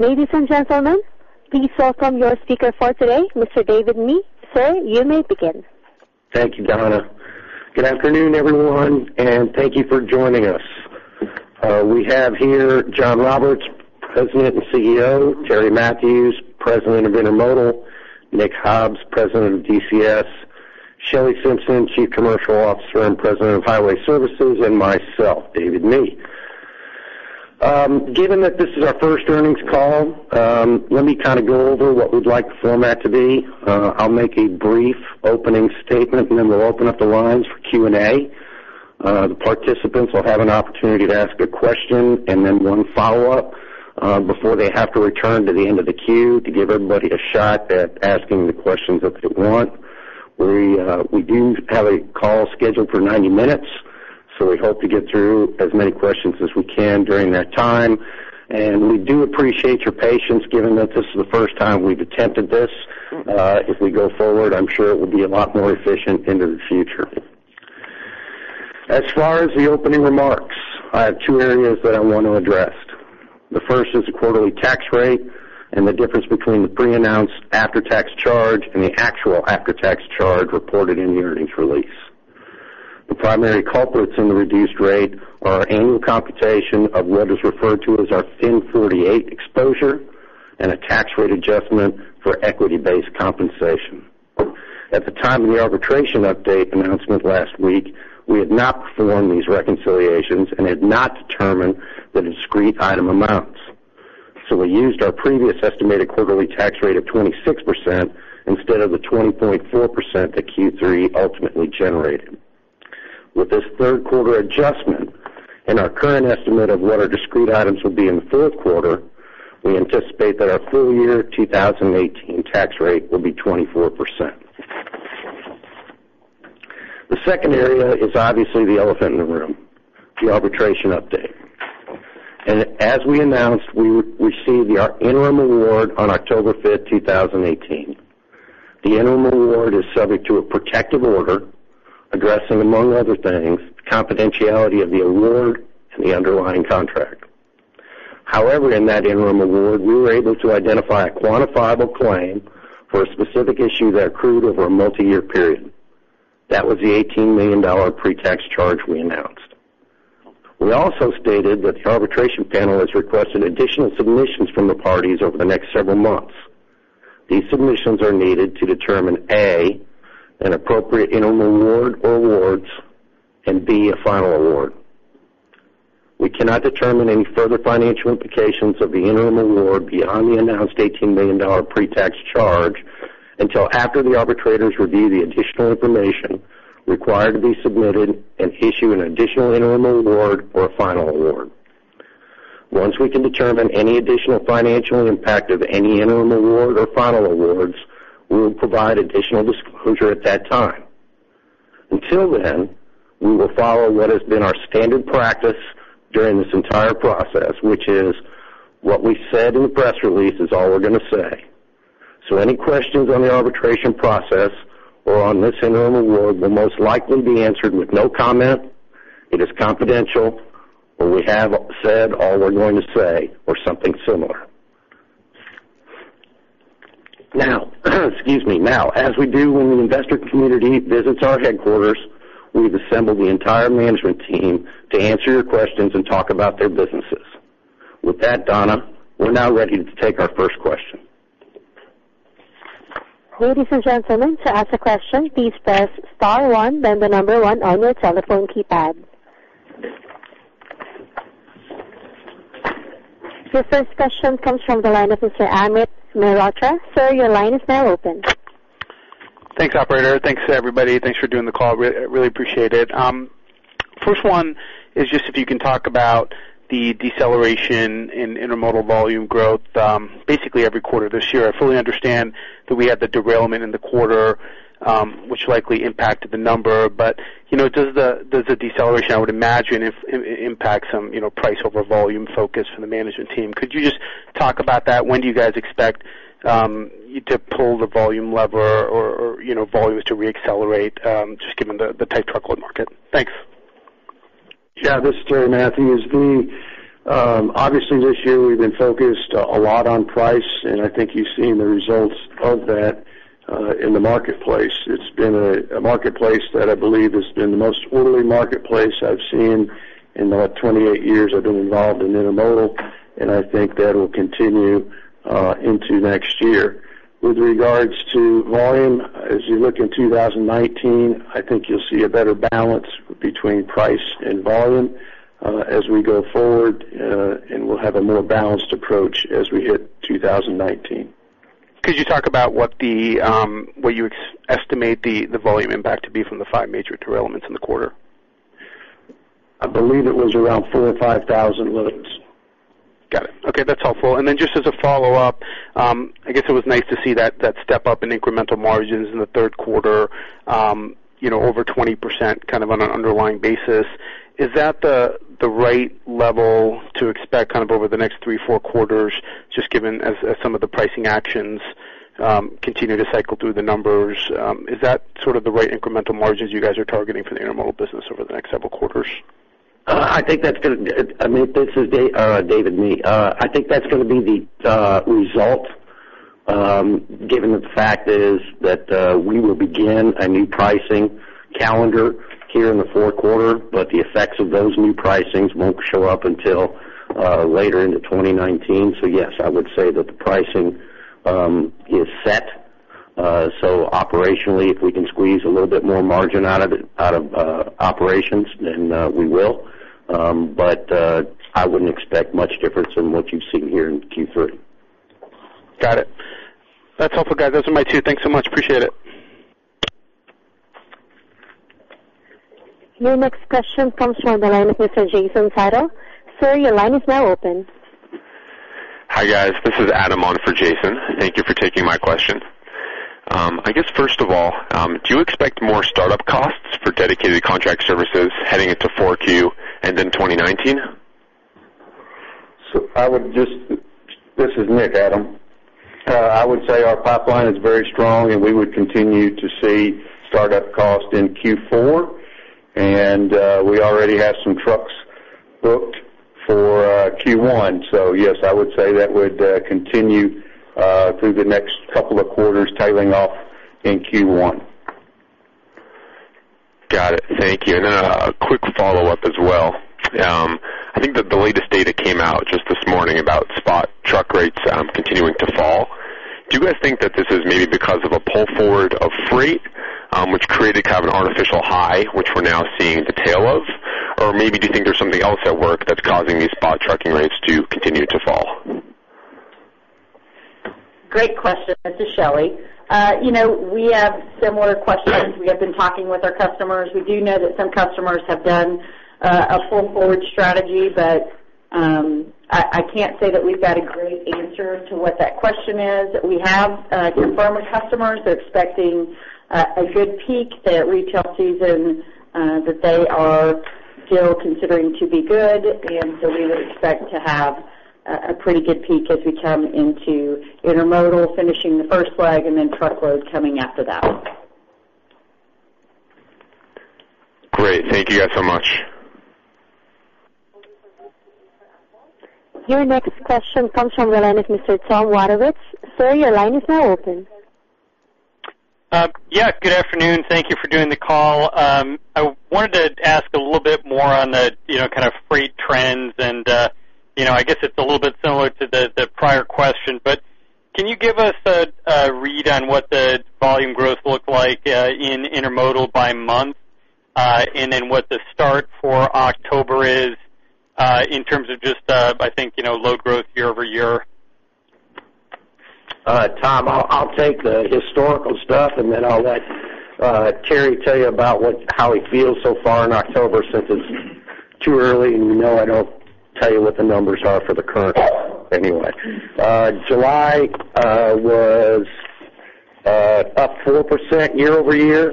Ladies and gentlemen, please welcome your speaker for today, Mr. David Mee. Sir, you may begin. Thank you, Donna. Good afternoon, everyone, and thank you for joining us. We have here John Roberts, President and CEO, Terry Matthews, President of Intermodal, Nick Hobbs, President of DCS, Shelley Simpson, Chief Commercial Officer and President of Highway Services, and myself, David Mee. Given that this is our first earnings call, let me go over what we'd like the format to be. I will make a brief opening statement, and then we will open up the lines for Q&A. The participants will have an opportunity to ask a question and then one follow-up before they have to return to the end of the queue to give everybody a shot at asking the questions that they want. We do have a call scheduled for 90 minutes, we hope to get through as many questions as we can during that time, and we do appreciate your patience given that this is the first time we have attempted this. As we go forward, I am sure it will be a lot more efficient into the future. As far as the opening remarks, I have two areas that I want to address. The first is the quarterly tax rate and the difference between the pre-announced after-tax charge and the actual after-tax charge reported in the earnings release. The primary culprits in the reduced rate are our annual computation of what is referred to as our FIN 48 exposure and a tax rate adjustment for equity-based compensation. At the time of the arbitration update announcement last week, we had not performed these reconciliations and had not determined the discrete item amounts. We used our previous estimated quarterly tax rate of 26% instead of the 20.4% that Q3 ultimately generated. With this third quarter adjustment and our current estimate of what our discrete items will be in the fourth quarter, we anticipate that our full year 2018 tax rate will be 24%. The second area is obviously the elephant in the room, the arbitration update. As we announced, we received our interim award on October 5th, 2018. The interim award is subject to a protective order addressing, among other things, confidentiality of the award and the underlying contract. However, in that interim award, we were able to identify a quantifiable claim for a specific issue that accrued over a multi-year period. That was the $18 million pre-tax charge we announced. We also stated that the arbitration panel has requested additional submissions from the parties over the next several months. These submissions are needed to determine, A, an appropriate interim award or awards, and B, a final award. We cannot determine any further financial implications of the interim award beyond the announced $18 million pre-tax charge until after the arbitrators review the additional information required to be submitted and issue an additional interim award or a final award. Once we can determine any additional financial impact of any interim award or final awards, we will provide additional disclosure at that time. Until then, we will follow what has been our standard practice during this entire process, which is what we said in the press release is all we're going to say. Any questions on the arbitration process or on this interim award will most likely be answered with no comment, it is confidential, or we have said all we're going to say, or something similar. As we do when the investor community visits our headquarters, we've assembled the entire management team to answer your questions and talk about their businesses. With that, Donna, we're now ready to take our first question. Ladies and gentlemen, to ask a question, please press star one, then the number one on your telephone keypad. Your first question comes from the line of Mr. Amit Mehrotra. Sir, your line is now open. Thanks, operator. Thanks, everybody. Thanks for doing the call. Really appreciate it. First one is just if you can talk about the deceleration in intermodal volume growth basically every quarter this year. I fully understand that we had the derailment in the quarter, which likely impacted the number. Does the deceleration, I would imagine, impact some price over volume focus from the management team? Could you just talk about that? When do you guys expect to pull the volume lever or volumes to re-accelerate just given the tight truckload market? Thanks. Yeah, this is Terry Matthews. Obviously, this year, we've been focused a lot on price. I think you've seen the results of that in the marketplace. It's been a marketplace that I believe has been the most orderly marketplace I've seen in the 28 years I've been involved in intermodal. I think that will continue into next year. With regards to volume, as you look in 2019, I think you'll see a better balance between price and volume as we go forward. We'll have a more balanced approach as we hit 2019. Could you talk about what you estimate the volume impact to be from the five major derailments in the quarter? I believe it was around 4,000 or 5,000 loads. Got it. Okay, that's helpful. Then just as a follow-up, I guess it was nice to see that step up in incremental margins in the third quarter over 20%, on an underlying basis. Is that the right level to expect over the next three, four quarters, just given as some of the pricing actions continue to cycle through the numbers? Is that sort of the right incremental margins you guys are targeting for the intermodal business over the next several quarters? This is David Mee. I think that's going to be the result, given that the fact is that we will begin a new pricing calendar here in the fourth quarter, but the effects of those new pricings won't show up until later into 2019. Yes, I would say that the pricing is set. Operationally, if we can squeeze a little bit more margin out of operations, then we will. I wouldn't expect much difference from what you've seen here in Q3. Got it. That's helpful, guys. Those are my two. Thanks so much. Appreciate it. Your next question comes from the line of Mr. Jason Seidl. Sir, your line is now open. Hi, guys. This is Adam on for Jason. Thank you for taking my question. I guess first of all, do you expect more startup costs for Dedicated Contract Services heading into 4Q and then 2019? This is Nick, Adam. I would say our pipeline is very strong. We would continue to see startup cost in Q4. We already have some trucks booked for Q1. Yes, I would say that would continue through the next couple of quarters, tailing off in Q1. Got it. Thank you. Then a quick follow-up as well. I think that the latest data came out just this morning about spot truck rates continuing to fall. Do you guys think that this is maybe because of a pull forward of freight, which created kind of an artificial high, which we're now seeing the tail of? Maybe do you think there's something else at work that's causing these spot trucking rates to continue to fall? Great question. This is Shelley. We have similar questions. We have been talking with our customers. We do know that some customers have done a pull-forward strategy. I can't say that we've got a great answer to what that question is. We have some pharma customers. They're expecting a good peak. Their retail season that they are still considering to be good. We would expect to have a pretty good peak as we come into intermodal, finishing the first leg. Then truckload coming after that. Great. Thank you guys so much. Your next question comes from the line of Mr. Thomas Wadewitz. Sir, your line is now open. Good afternoon. Thank you for doing the call. I wanted to ask a little bit more on the freight trends, and I guess it's a little bit similar to the prior question, but can you give us a read on what the volume growth looked like in intermodal by month, and then what the start for October is in terms of just, I think, low growth year-over-year? Tom, I'll take the historical stuff, and then I'll let Terry tell you about how he feels so far in October since it's too early, and you know I don't tell you what the numbers are for the current anyway. July was up 4% year-over-year,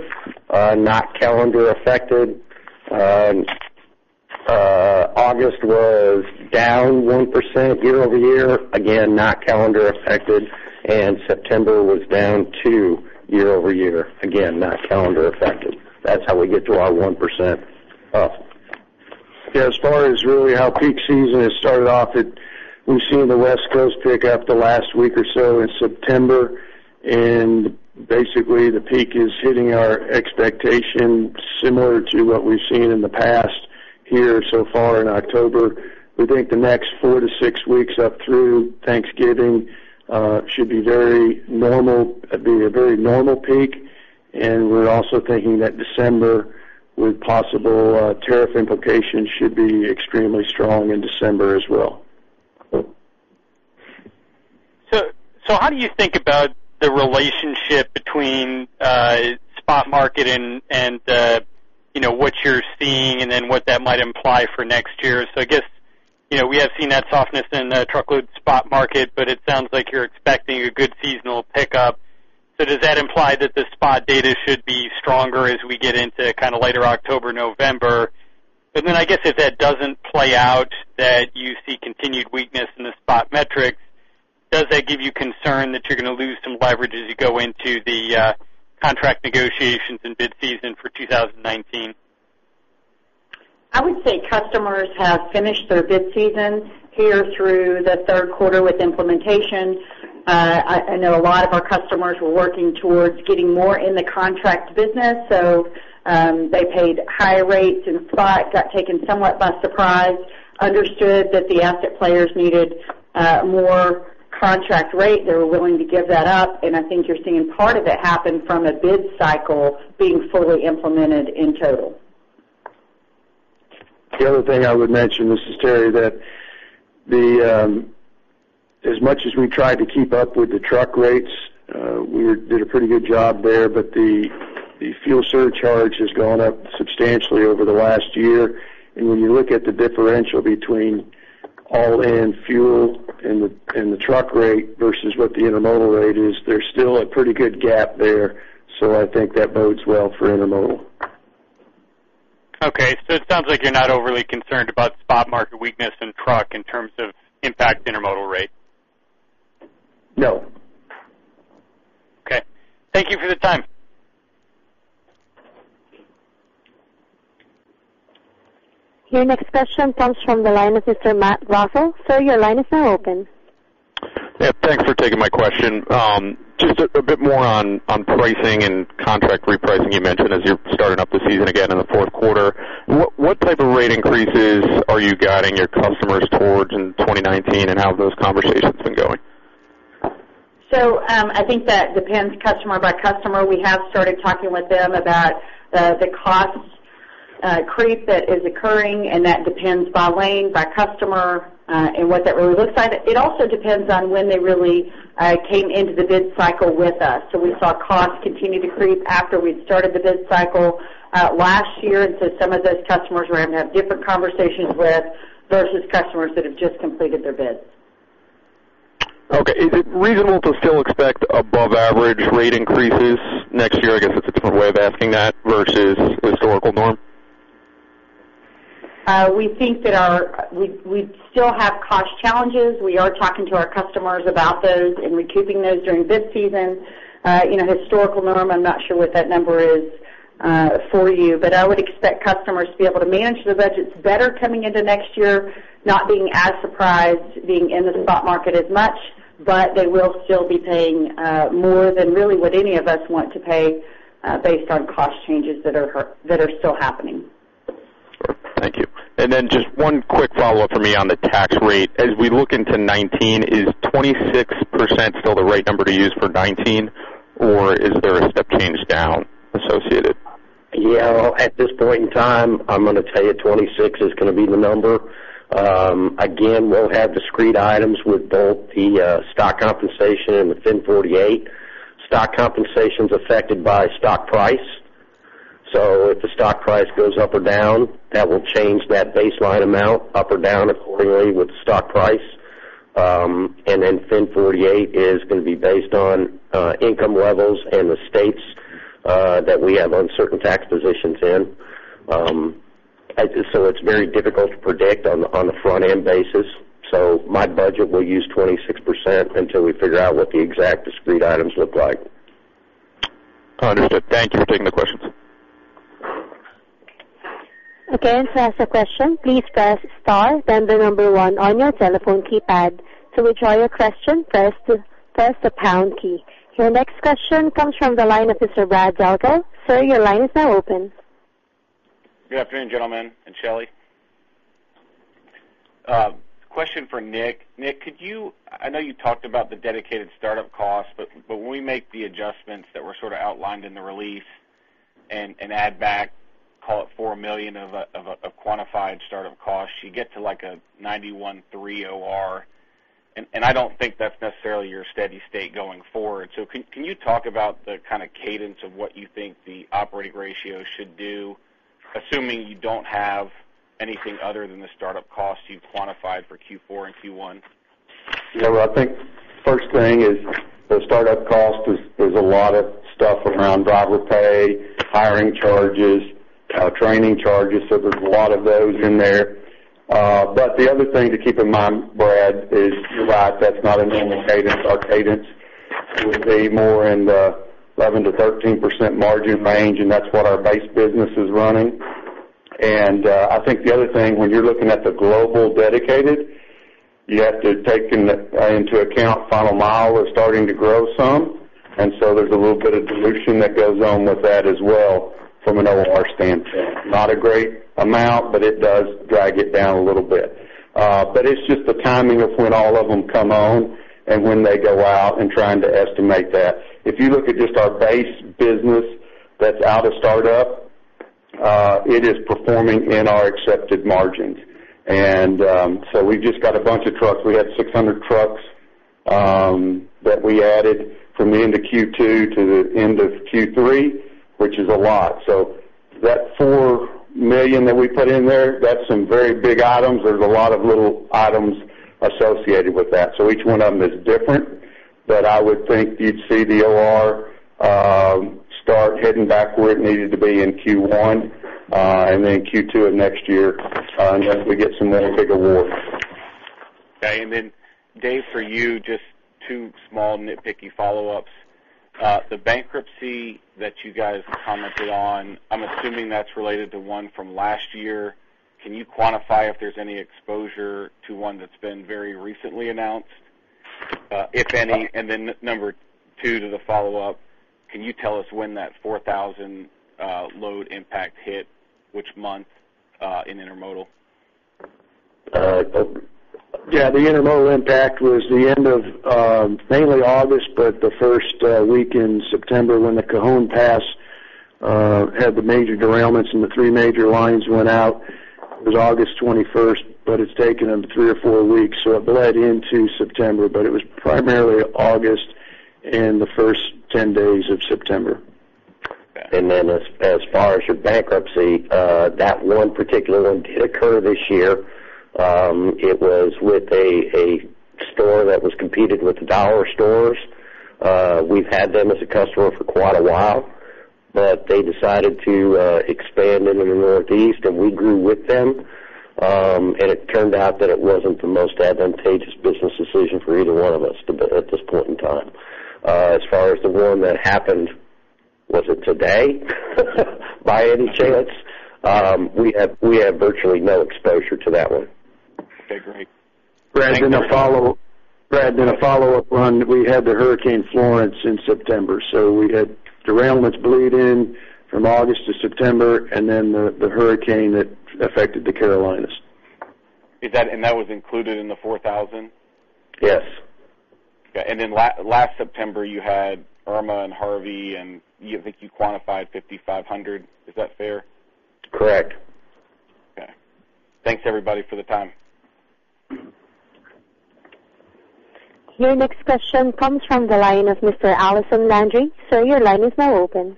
not calendar affected. August was down 1% year-over-year, again, not calendar affected. September was down 2% year-over-year, again, not calendar affected. That's how we get to our 1% up. As far as really how peak season has started off, we've seen the West Coast pick up the last week or so in September, and basically the peak is hitting our expectation similar to what we've seen in the past here so far in October. We think the next four to six weeks up through Thanksgiving should be a very normal peak, and we're also thinking that December with possible tariff implications should be extremely strong in December as well. How do you think about the relationship between spot market and what you're seeing and what that might imply for next year? I guess we have seen that softness in the truckload spot market, it sounds like you're expecting a good seasonal pickup. Does that imply that the spot data should be stronger as we get into later October, November? I guess if that doesn't play out, that you see continued weakness in the spot metrics, does that give you concern that you're going to lose some leverage as you go into the contract negotiations in bid season for 2019? I would say customers have finished their bid season here through the third quarter with implementation. I know a lot of our customers were working towards getting more in the contract business, they paid higher rates in spot, got taken somewhat by surprise, understood that the asset players needed more contract rate. They were willing to give that up, I think you're seeing part of it happen from a bid cycle being fully implemented in total. The other thing I would mention, this is Terry, that as much as we tried to keep up with the truck rates, we did a pretty good job there, the fuel surcharge has gone up substantially over the last year. When you look at the differential between all-in fuel and the truck rate versus what the intermodal rate is, there's still a pretty good gap there. I think that bodes well for intermodal. It sounds like you're not overly concerned about spot market weakness in truck in terms of impact to intermodal rates. No. Okay. Thank you for the time. Your next question comes from the line of Mr. Matthew Troy. Sir, your line is now open. Yeah, thanks for taking my question. Just a bit more on pricing and contract repricing you mentioned as you're starting up the season again in the fourth quarter. What type of rate increases are you guiding your customers towards in 2019, and how have those conversations been going? I think that depends customer by customer. We have started talking with them about the cost creep that is occurring, and that depends by lane, by customer, and what that really looks like. It also depends on when they really came into the bid cycle with us. We saw costs continue to creep after we'd started the bid cycle last year, and so some of those customers we're going to have different conversations with versus customers that have just completed their bids. Okay. Is it reasonable to still expect above average rate increases next year? I guess that's a different way of asking that versus historical norm. We think that we still have cost challenges. We are talking to our customers about those and recouping those during bid season. Historical norm, I'm not sure what that number is for you. I would expect customers to be able to manage their budgets better coming into next year, not being as surprised being in the spot market as much. They will still be paying more than really what any of us want to pay based on cost changes that are still happening. Thank you. Just one quick follow-up from me on the tax rate. As we look into 2019, is 26% still the right number to use for 2019, or is there a step change down associated? At this point in time, I'm going to tell you 26 is going to be the number. Again, we'll have discrete items with both the stock compensation and the FIN 48. Stock compensation's affected by stock price. If the stock price goes up or down, that will change that baseline amount up or down accordingly with the stock price. FIN 48 is going to be based on income levels in the states that we have uncertain tax positions in. It's very difficult to predict on the front-end basis. My budget will use 26% until we figure out what the exact discrete items look like. Understood. Thank you for taking the questions. Again, to ask a question, please press star then the number 1 on your telephone keypad. To withdraw your question, press the pound key. Your next question comes from the line of Mr. Brad Delco. Sir, your line is now open. Good afternoon, gentlemen, and Shelley. Question for Nick. Nick, I know you talked about the dedicated startup costs, but when we make the adjustments that were sort of outlined in the release and add back, call it, $4 million of a quantified startup cost, you get to a 91.3% OR. I don't think that's necessarily your steady state going forward. Can you talk about the kind of cadence of what you think the operating ratio should do, assuming you don't have anything other than the startup costs you've quantified for Q4 and Q1? I think first thing is the startup cost is a lot of stuff around driver pay, hiring charges, training charges. The other thing to keep in mind, Brad, is you're right, that's not a normal cadence. Our cadence would be more in the 11%-13% margin range, and that's what our base business is running. I think the other thing, when you're looking at the global dedicated, you have to take into account Final Mile is starting to grow some. There's a little bit of dilution that goes on with that as well from an OR standpoint. Not a great amount, but it does drag it down a little bit. It's just the timing of when all of them come on and when they go out and trying to estimate that. If you look at just our base business that's out of startup, it is performing in our accepted margins. We've just got a bunch of trucks. We had 600 trucks that we added from the end of Q2 to the end of Q3, which is a lot. That $4 million that we put in there, that's some very big items. There's a lot of little items associated with that. Each one of them is different. I would think you'd see the OR start heading back where it needed to be in Q1, then Q2 of next year, unless we get some more big awards. Okay. Dave, for you, just two small nitpicky follow-ups. The bankruptcy that you guys commented on, I'm assuming that's related to one from last year. Can you quantify if there's any exposure to one that's been very recently announced, if any? Number two to the follow-up, can you tell us when that 4,000 load impact hit, which month in Intermodal? Yeah, the Intermodal impact was the end of mainly August, but the first week in September when the Cajon Pass had the major derailments and the three major lines went out. It was August 21st, but it's taken them three or four weeks, so it bled into September, but it was primarily August and the first 10 days of September. Got it. as far as your bankruptcy, that one particular one did occur this year. It was with a store that was competed with the dollar stores. We've had them as a customer for quite a while They decided to expand into the Northeast, and we grew with them. It turned out that it wasn't the most advantageous business decision for either one of us at this point in time. As far as the one that happened, was it today by any chance? We have virtually no exposure to that one. Okay, great. Brad, a follow-up on we had the Hurricane Florence in September. We had derailments bleed in from August to September and the hurricane that affected the Carolinas. That was included in the 4,000? Yes. Okay. Last September, you had Irma and Harvey, I think you quantified 5,500. Is that fair? Correct. Okay. Thanks, everybody, for the time. Your next question comes from the line of Mr. Allison Landry. Sir, your line is now open.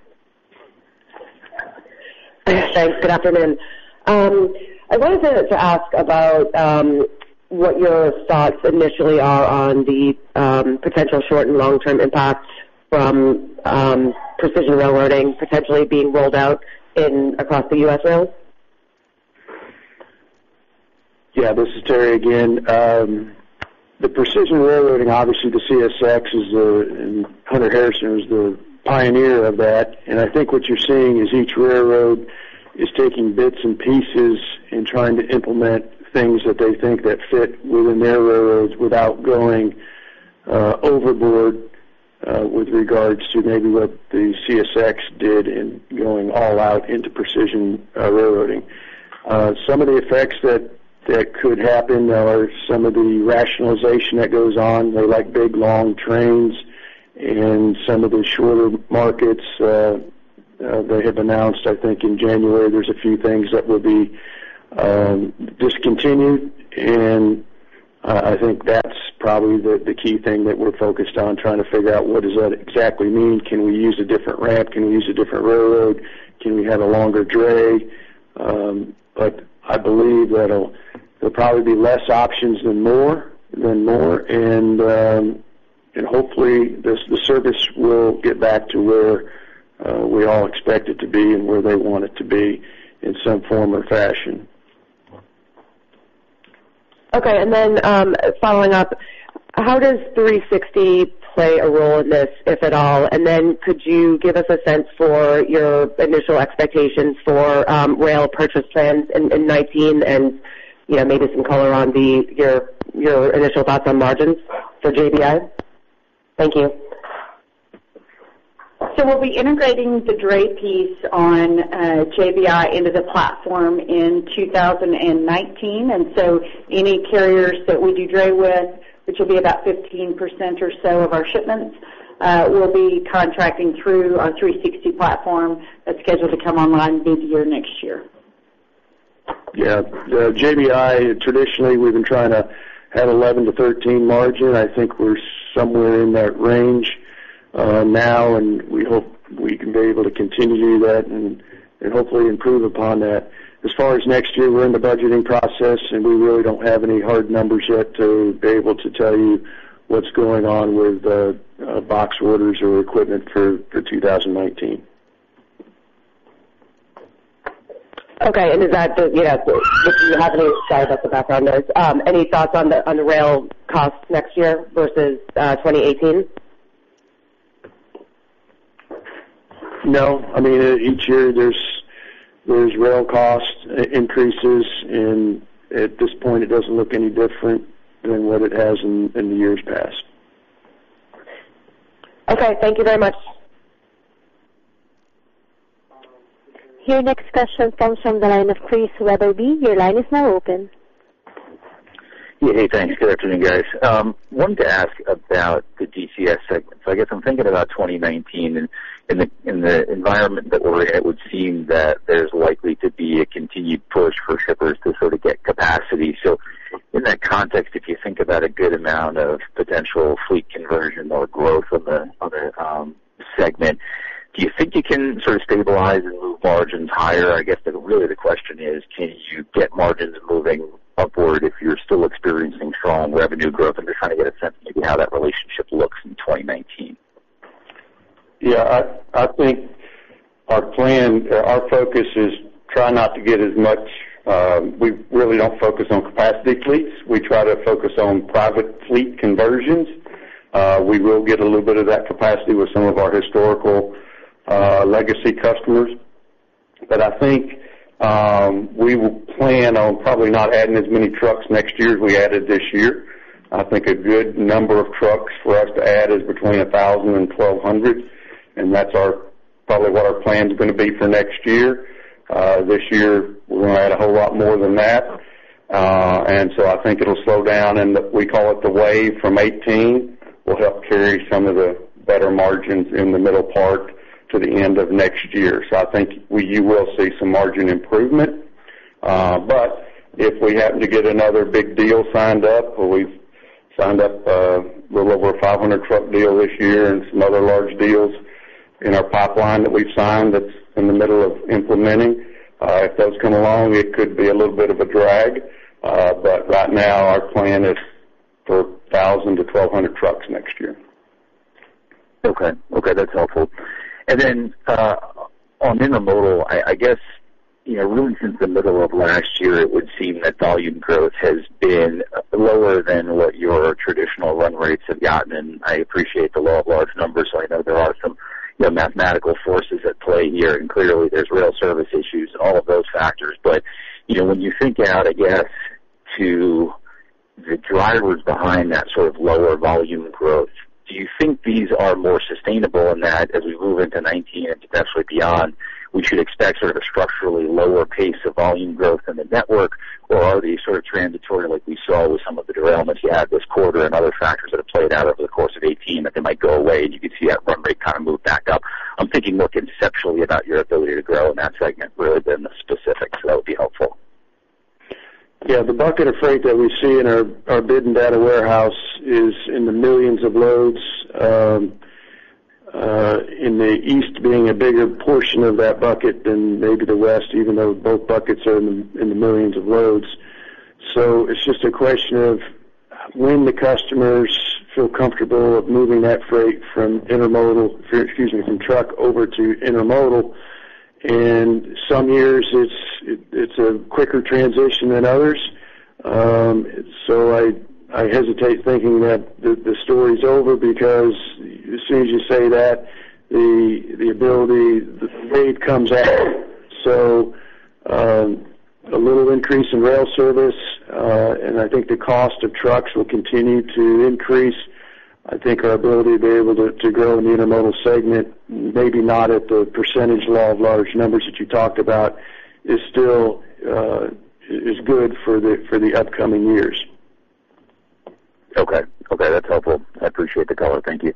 Thanks. Good afternoon. I wanted to ask about what your thoughts initially are on the potential short and long-term impacts from Precision Railroading potentially being rolled out across the U.S. rails. Yeah, this is Terry again. The Precision Railroading, obviously, the CSX and Hunter Harrison was the pioneer of that. I think what you're seeing is each railroad is taking bits and pieces and trying to implement things that they think that fit within their railroads without going overboard with regards to maybe what the CSX did in going all out into Precision Railroading. Some of the effects that could happen are some of the rationalization that goes on. They like big, long trains in some of the shorter markets. They have announced, I think, in January, there's a few things that will be discontinued, and I think that's probably the key thing that we're focused on, trying to figure out what does that exactly mean. Can we use a different ramp? Can we use a different railroad? Can we have a longer dray? I believe that there'll probably be less options than more, and hopefully, the service will get back to where we all expect it to be and where they want it to be in some form or fashion. Okay, following up, how does 360 play a role in this, if at all? Could you give us a sense for your initial expectations for rail purchase plans in 2019 and maybe some color on your initial thoughts on margins for JBI? Thank you. We'll be integrating the dray piece on JBI into the platform in 2019. Any carriers that we do dray with, which will be about 15% or so of our shipments, will be contracting through our 360 platform that's scheduled to come online mid-year next year. Yeah. JBI, traditionally, we've been trying to have 11%-13% margin. I think we're somewhere in that range now, and we hope we can be able to continue that and hopefully improve upon that. As far as next year, we're in the budgeting process, and we really don't have any hard numbers yet to be able to tell you what's going on with box orders or equipment for 2019. Okay. If you have any thoughts about the background noise. Any thoughts on the rail costs next year versus 2018? No. Each year there's rail cost increases, and at this point, it doesn't look any different than what it has in the years past. Okay. Thank you very much. Your next question comes from the line of Chris Wetherbee. Your line is now open. Yeah. Hey, thanks. Good afternoon, guys. Wanted to ask about the DCS segment. I guess I'm thinking about 2019 and in the environment that we're in, it would seem that there's likely to be a continued push for shippers to sort of get capacity. In that context, if you think about a good amount of potential fleet conversion or growth of the segment, do you think you can sort of stabilize and move margins higher? I guess that really the question is, can you get margins moving upward if you're still experiencing strong revenue growth? I'm just trying to get a sense maybe how that relationship looks in 2019. Yeah. I think our plan or our focus is We really don't focus on capacity fleets. We try to focus on private fleet conversions. We will get a little bit of that capacity with some of our historical legacy customers. I think we will plan on probably not adding as many trucks next year as we added this year. I think a good number of trucks for us to add is between 1,000 and 1,200, and that's probably what our plan's going to be for next year. This year, we're going to add a whole lot more than that. I think it'll slow down, and we call it the wave from 2018 will help carry some of the better margins in the middle part to the end of next year. I think you will see some margin improvement. If we happen to get another big deal signed up, we've signed up a little over a 500 truck deal this year and some other large deals in our pipeline that we've signed that's in the middle of implementing. If those come along, it could be a little bit of a drag. Right now, our plan is for 1,000 to 1,200 trucks next year. Okay. That's helpful. Then, on intermodal, I guess, really since the middle of last year, it would seem that volume growth has been lower than what your traditional run rates have gotten, and I appreciate the law of large numbers, so I know there are some mathematical forces at play here, and clearly, there's rail service issues, all of those factors. When you think out, I guess, to the drivers behind that sort of lower volume growth, do you think these are more sustainable in that as we move into 2019 and potentially beyond, we should expect sort of a structurally lower pace of volume growth in the network? Are these sort of transitory like we saw with some of the derailments you had this quarter and other factors that have played out over the course of 2018, that they might go away and you could see that run rate move back up? I'm thinking more conceptually about your ability to grow in that segment rather than the specifics. That would be helpful. Yeah. The bucket of freight that we see in our bid and data warehouse is in the millions of loads, in the East being a bigger portion of that bucket than maybe the West, even though both buckets are in the millions of loads. It's just a question of when the customers feel comfortable of moving that freight from truck over to intermodal, and some years it's a quicker transition than others. I hesitate thinking that the story's over because as soon as you say that, the freight comes up. A little increase in rail service, and I think the cost of trucks will continue to increase. I think our ability to be able to grow in the intermodal segment, maybe not at the percentage law of large numbers that you talked about is good for the upcoming years. Okay. That's helpful. I appreciate the color. Thank you.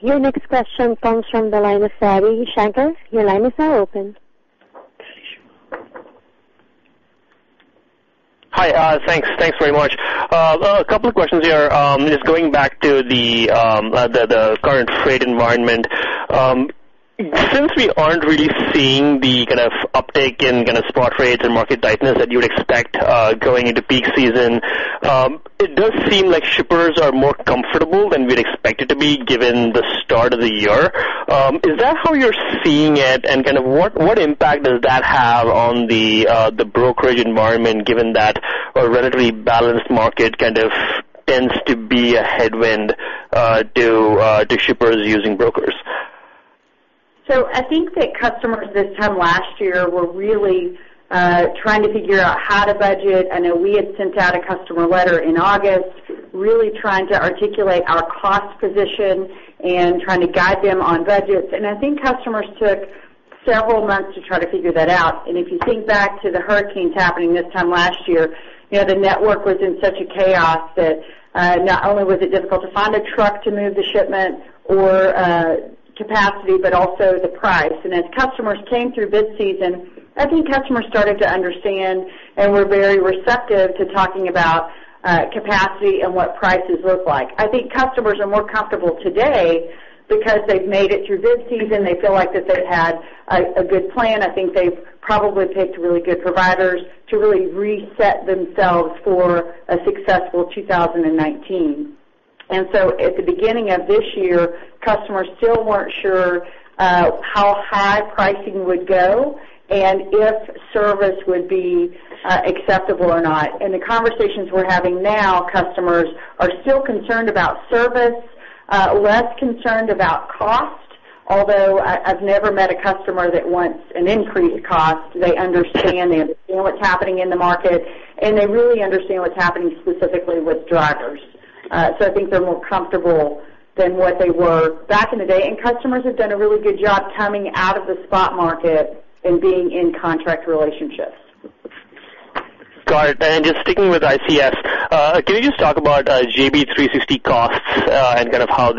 Your next question comes from the line of Ravi Shanker. Your line is now open. Hi. Thanks very much. A couple of questions here. Just going back to the current freight environment. Since we aren't really seeing the kind of uptick in kind of spot rates and market tightness that you would expect going into peak season, it does seem like shippers are more comfortable than we'd expect it to be given the start of the year. Is that how you're seeing it, and what impact does that have on the brokerage environment given that a relatively balanced market kind of tends to be a headwind to shippers using brokers? I think that customers this time last year were really trying to figure out how to budget. I know we had sent out a customer letter in August really trying to articulate our cost position and trying to guide them on budgets. I think customers took several months to try to figure that out. If you think back to the hurricanes happening this time last year, the network was in such a chaos that not only was it difficult to find a truck to move the shipment or capacity, but also the price. As customers came through bid season, I think customers started to understand and were very receptive to talking about capacity and what prices look like. I think customers are more comfortable today because they've made it through bid season. They feel like that they've had a good plan. I think they've probably picked really good providers to really reset themselves for a successful 2019. At the beginning of this year, customers still weren't sure how high pricing would go and if service would be acceptable or not. In the conversations we're having now, customers are still concerned about service, less concerned about cost, although I've never met a customer that wants an increased cost. They understand what's happening in the market, and they really understand what's happening specifically with drivers. I think they're more comfortable than what they were back in the day, and customers have done a really good job coming out of the spot market and being in contract relationships. Got it. Just sticking with ICS, can you just talk about JB360 costs and how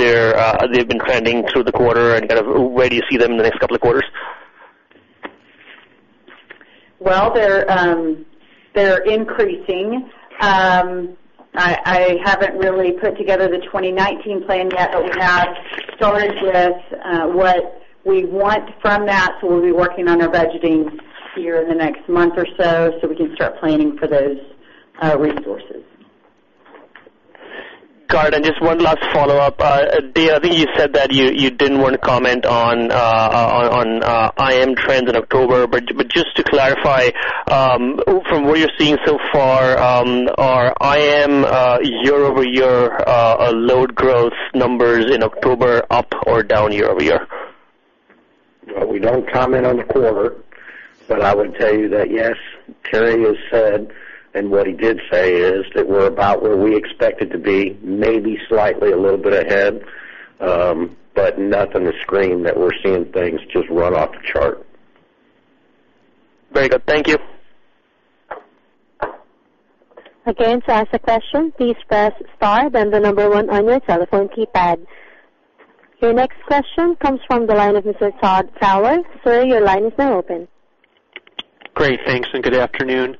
they've been trending through the quarter and where do you see them in the next couple of quarters? Well, they're increasing. I haven't really put together the 2019 plan yet, we have started with what we want from that. We'll be working on our budgeting here in the next month or so we can start planning for those resources. Got it. Just one last follow-up. David, I think you said that you didn't want to comment on IM trends in October, just to clarify, from what you're seeing so far, are IM year-over-year load growth numbers in October up or down year-over-year? Well, we don't comment on the quarter, but I would tell you that yes, Terry has said, and what he did say is that we're about where we expected to be, maybe slightly a little bit ahead, but nothing to scream that we're seeing things just run off the chart. Very good. Thank you. To ask a question, please press star, then the number 1 on your telephone keypad. Your next question comes from the line of Mr. Todd Fowler. Sir, your line is now open. Great. Thanks, and good afternoon.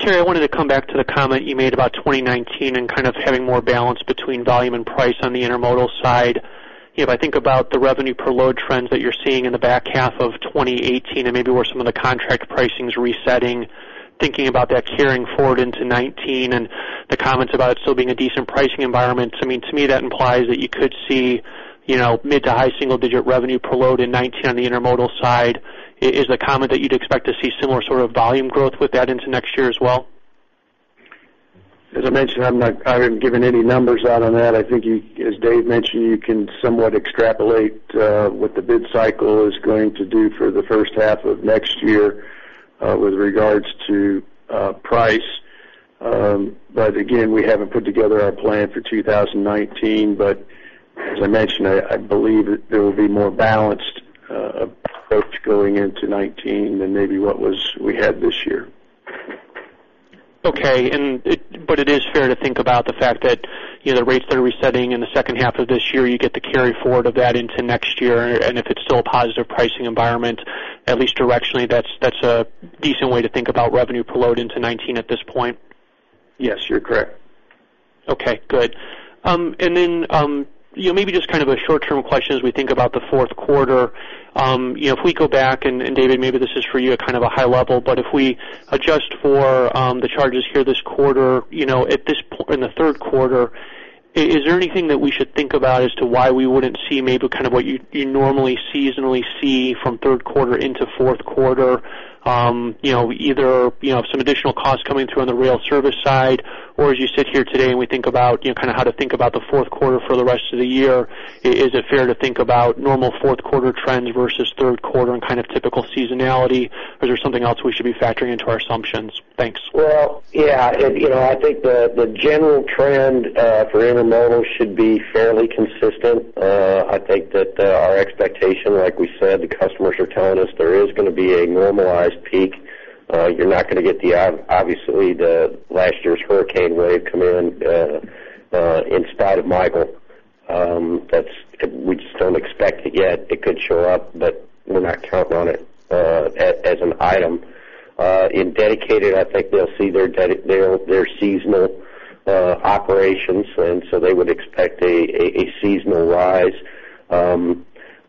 Terry, I wanted to come back to the comment you made about 2019 and kind of having more balance between volume and price on the intermodal side. If I think about the revenue per load trends that you're seeing in the back half of 2018 and maybe where some of the contract pricing's resetting, thinking about that carrying forward into 2019, and the comments about it still being a decent pricing environment, to me, that implies that you could see mid to high single-digit revenue per load in 2019 on the intermodal side. Is the comment that you'd expect to see similar sort of volume growth with that into next year as well? As I mentioned, I haven't given any numbers out on that. I think, as Dave mentioned, you can somewhat extrapolate what the bid cycle is going to do for the first half of next year with regards to price. Again, we haven't put together our plan for 2019. As I mentioned, I believe that there will be more balanced approach going into 2019 than maybe what we had this year. Okay. It is fair to think about the fact that the rates that are resetting in the second half of this year, you get the carry forward of that into next year. If it's still a positive pricing environment, at least directionally, that's a decent way to think about revenue per load into 2019 at this point? Yes, you're correct. Okay, good. Then maybe just a short-term question as we think about the fourth quarter. If we go back, and David, maybe this is for you at a high level, but if we adjust for the charges here this quarter, in the third quarter, is there anything that we should think about as to why we wouldn't see maybe what you normally seasonally see from third quarter into fourth quarter? Either some additional costs coming through on the rail service side, or as you sit here today and we think about how to think about the fourth quarter for the rest of the year, is it fair to think about normal fourth quarter trends versus third quarter and typical seasonality, or is there something else we should be factoring into our assumptions? Thanks. Well, yeah. I think the general trend for intermodal should be fairly consistent. I think that our expectation, like we said, the customers are telling us there is going to be a normalized peak. You're not going to get, obviously, the last year's hurricane wave come in spite of Michael. We just don't expect it yet. It could show up, but we're not counting on it as an item. In dedicated, I think they'll see their seasonal operations. They would expect a seasonal rise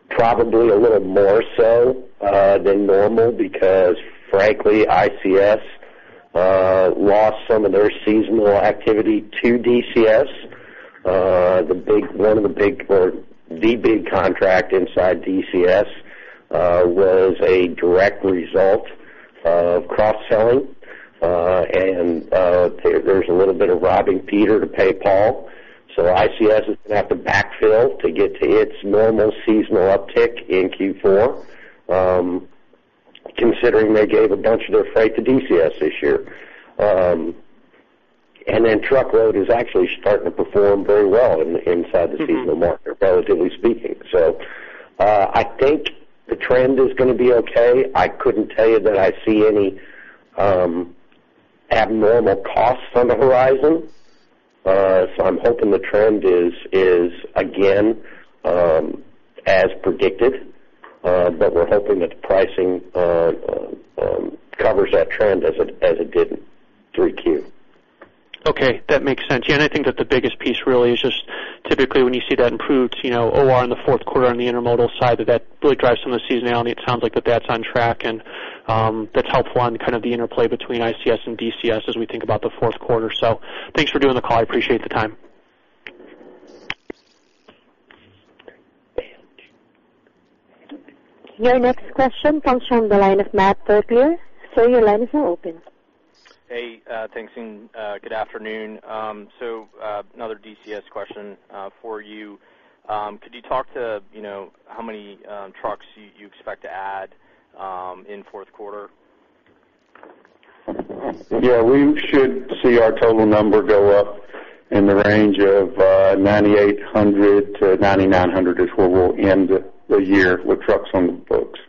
probably a little more so than normal because frankly, ICS lost some of their seasonal activity to DCS. The big contract inside DCS was a direct result of cross-selling. There's a little bit of robbing Peter to pay Paul. ICS is going to have to backfill to get to its normal seasonal uptick in Q4, considering they gave a bunch of their freight to DCS this year. Truckload is actually starting to perform very well inside the seasonal market, relatively speaking. I think the trend is going to be okay. I couldn't tell you that I see any abnormal costs on the horizon. I'm hoping the trend is, again, as predicted, but we're hoping that the pricing covers that trend as it did 3Q. Okay, that makes sense. Yeah, I think that the biggest piece really is just typically when you see that improved OR in the fourth quarter on the intermodal side, that really drives some of the seasonality. It sounds like that that's on track and that's helpful on the interplay between ICS and DCS as we think about the fourth quarter. Thanks for doing the call. I appreciate the time. Your next question comes from the line of Matt Terpene. Sir, your line is now open. Hey, thanks and good afternoon. Another DCS question for you. Could you talk to how many trucks you expect to add in fourth quarter? Yeah, we should see our total number go up in the range of 9,800 to 9,900 is where we'll end the year with trucks on the books.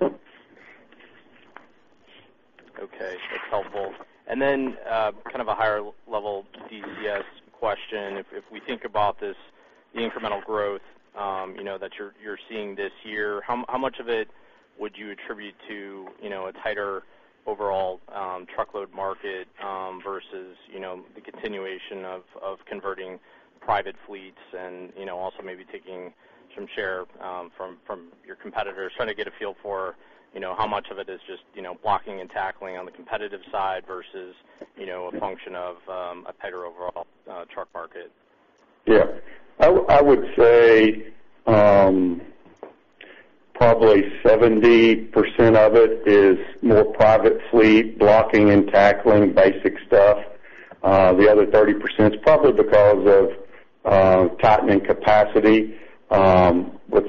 Okay, that's helpful. A higher level DCS question. If we think about this incremental growth that you're seeing this year, how much of it would you attribute to a tighter overall truckload market versus the continuation of converting private fleets and also maybe taking some share from your competitors? Trying to get a feel for how much of it is just blocking and tackling on the competitive side versus a function of a tighter overall truck market. Yeah. I would say probably 70% of it is more private fleet blocking and tackling basic stuff. The other 30% is probably because of tightening capacity with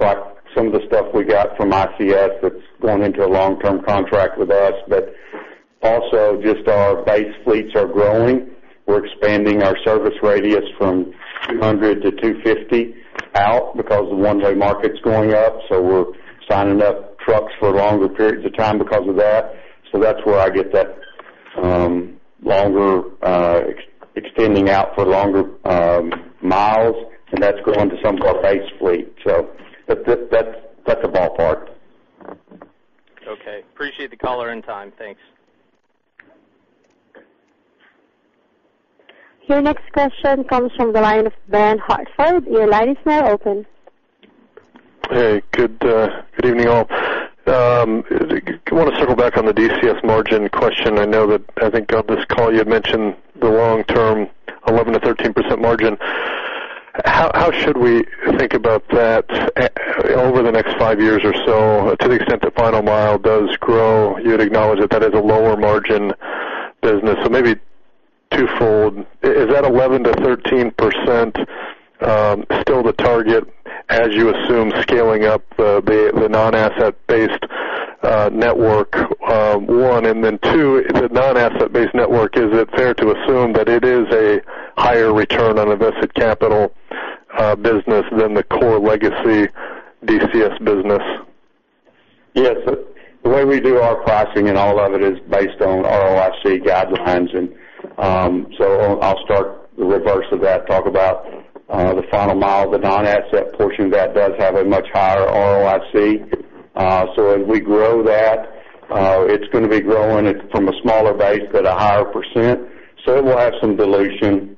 some of the stuff we got from ICS that's going into a long-term contract with us. Also just our base fleets are growing. We're expanding our service radius from 200 to 250 out because the one-day market's going up, so we're signing up trucks for longer periods of time because of that. That's where I get that extending out for longer miles, and that's going to some of our base fleet. That's a ballpark. Okay. Appreciate the color and time. Thanks. Your next question comes from the line of Benjamin Hartford. Your line is now open. Hey, good evening, all. I want to circle back on the DCS margin question. I know that, I think on this call, you had mentioned the long term 11%-13% margin. How should we think about that over the next five years or so, to the extent that final mile does grow, you'd acknowledge that that is a lower margin business. Maybe twofold. Is that 11%-13% still the target as you assume scaling up the non-asset-based network, one? Two, the non-asset-based network, is it fair to assume that it is a higher return on invested capital business than the core legacy DCS business? Yes. The way we do our pricing and all of it is based on ROIC guidelines. I'll start the reverse of that, talk about the final mile. The non-asset portion of that does have a much higher ROIC. As we grow that, it's going to be growing it from a smaller base but a higher %. It will have some dilution,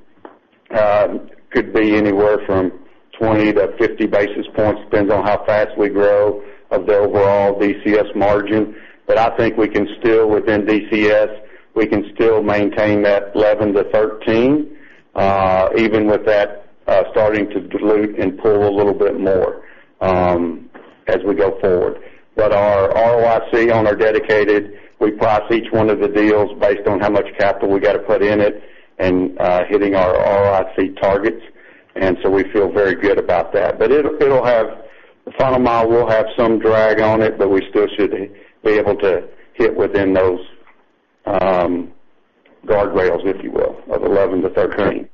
could be anywhere from 20-50 basis points, depends on how fast we grow of the overall DCS margin. I think within DCS, we can still maintain that 11%-13%, even with that starting to dilute and pull a little bit more as we go forward. Our ROIC on our dedicated, we price each one of the deals based on how much capital we got to put in it and hitting our ROIC targets. We feel very good about that. The final mile will have some drag on it, but we still should be able to hit within those guardrails, if you will, of 11%-13%.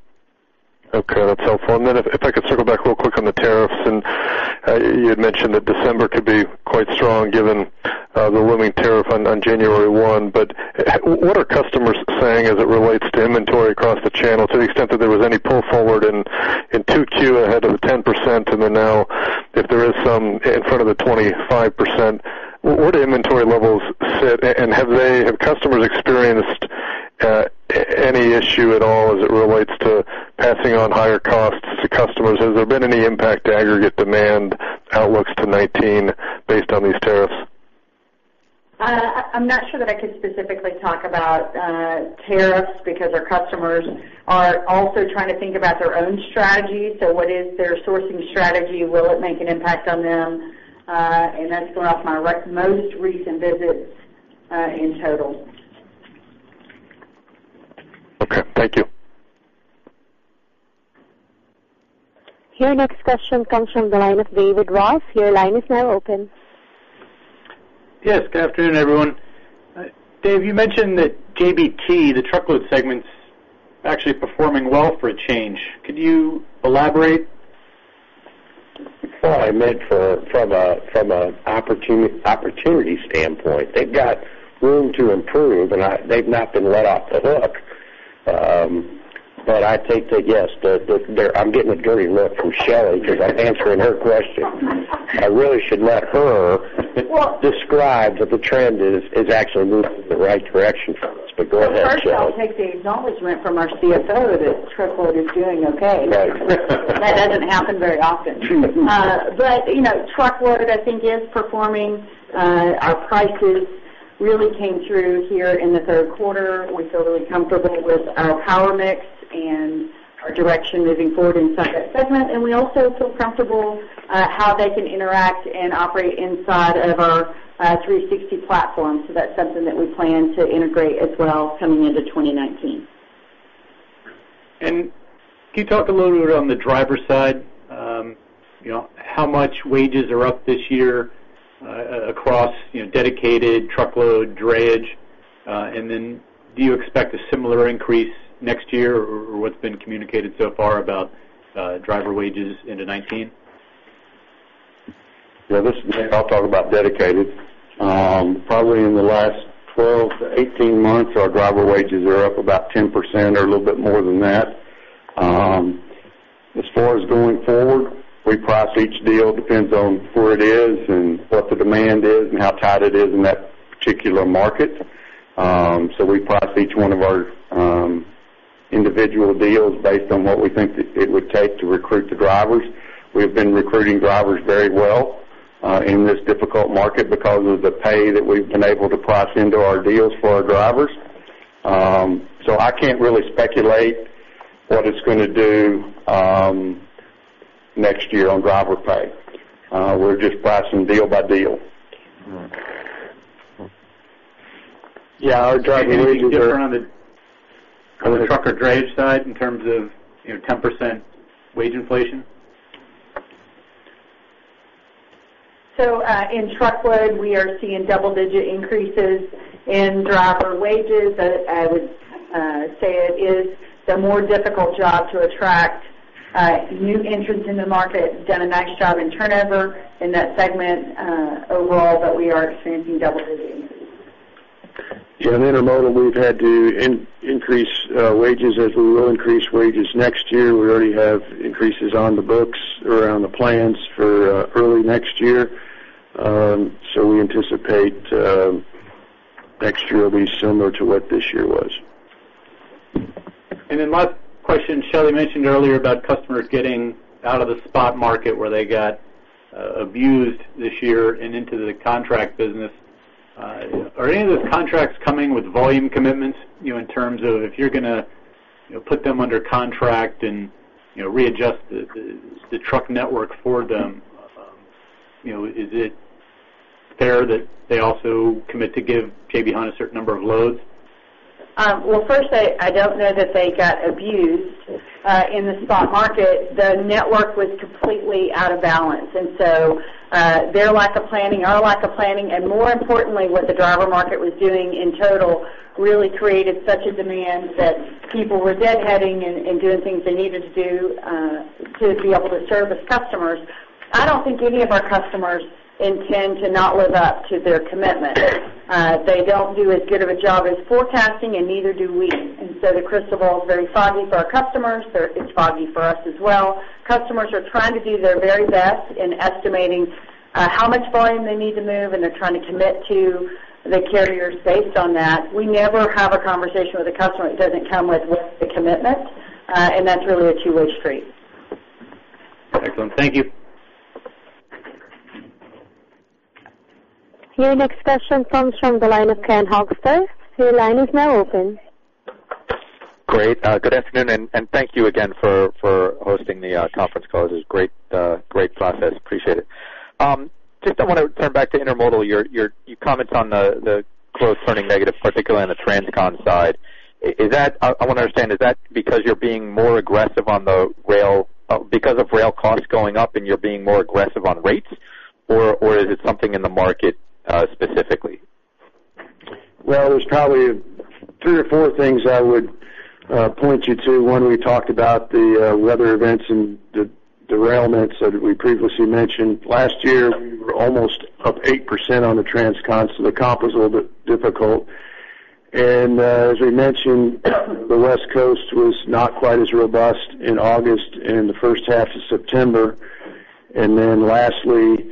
Okay, that's helpful. If I could circle back real quick on the tariffs, you had mentioned that December could be quite strong given the looming tariff on January 1. What are customers saying as it relates to inventory across the channel to the extent that there was any pull forward in 2Q ahead of the 10% and then now if there is some in front of the 25%? Where do inventory levels sit, and have customers experienced any issue at all as it relates to passing on higher costs to customers? Has there been any impact to aggregate demand outlooks to 2019 based on these tariffs? I'm not sure that I could specifically talk about tariffs because our customers are also trying to think about their own strategy. What is their sourcing strategy? Will it make an impact on them? That's going off my most recent visits in total. Okay, thank you. Your next question comes from the line of David Ross. Your line is now open. Yes, good afternoon, everyone. Dave, you mentioned that JBT, the truckload segment, is actually performing well for a change. Could you elaborate? That's what I meant from an opportunity standpoint. They've got room to improve. They've not been let off the hook. I think that, yes, I'm getting a dirty look from Shelley because I'm answering her question. I really should let her describe what the trend is actually moving in the right direction for us. Go ahead, Shelley. First I'll take the acknowledgment from our CFO that truckload is doing okay. Right. That doesn't happen very often. Truckload, I think, is performing. Our prices really came through here in the third quarter. We feel really comfortable with our power mix and our direction moving forward inside that segment, and we also feel comfortable how they can interact and operate inside of our J.B. Hunt 360° platform. That's something that we plan to integrate as well coming into 2019. Can you talk a little bit on the driver side? How much wages are up this year across dedicated truckload, drayage? Do you expect a similar increase next year? What's been communicated so far about driver wages into 2019? Yeah, this is Dave. I'll talk about dedicated. Probably in the last 12 to 18 months, our driver wages are up about 10% or a little bit more than that. As far as going forward, we price each deal. It depends on where it is and what the demand is and how tight it is in that particular market. We price each one of our individual deals based on what we think it would take to recruit the drivers. We've been recruiting drivers very well in this difficult market because of the pay that we've been able to price into our deals for our drivers. I can't really speculate what it's going to do next year on driver pay. We're just pricing deal by deal. All right. Yeah, our driver wages are- Is it going to be different on the truck or drayage side in terms of 10% wage inflation? In truckload, we are seeing double-digit increases in driver wages. I would say it is the more difficult job to attract new entrants in the market. Done a nice job in turnover in that segment overall, but we are experiencing double-digit increases. In Intermodal, we've had to increase wages as we will increase wages next year. We already have increases on the books around the plans for early next year. We anticipate next year will be similar to what this year was. Last question, Shelley mentioned earlier about customers getting out of the spot market where they got abused this year and into the contract business. Are any of those contracts coming with volume commitments, in terms of if you're going to put them under contract and readjust the truck network for them, is it fair that they also commit to give J.B. Hunt a certain number of loads? Well, first, I don't know that they got abused in the spot market. The network was completely out of balance. Their lack of planning, our lack of planning, and more importantly, what the driver market was doing in total really created such a demand that people were deadheading and doing things they needed to do to be able to service customers. I don't think any of our customers intend to not live up to their commitment. They don't do as good of a job as forecasting, and neither do we. The crystal ball is very foggy for our customers. It's foggy for us as well. Customers are trying to do their very best in estimating how much volume they need to move, and they're trying to commit to the carriers based on that. We never have a conversation with a customer that doesn't come with a commitment. That's really a two-way street. Excellent. Thank you. Your next question comes from the line of Ken Hoexter. Your line is now open. Great. Good afternoon, thank you again for hosting the conference call. This is great process. Appreciate it. Just want to turn back to intermodal, your comments on the growth turning negative, particularly on the transcontinental side. I want to understand, is that because you're being more aggressive on the rail because of rail costs going up and you're being more aggressive on rates? Or is it something in the market specifically? Well, there's probably three or four things I would point you to. One, we talked about the weather events and the derailments that we previously mentioned. Last year, we were almost up 8% on the transcontinental, so the comp was a little bit difficult. As we mentioned, the West Coast was not quite as robust in August and the first half of September. Lastly,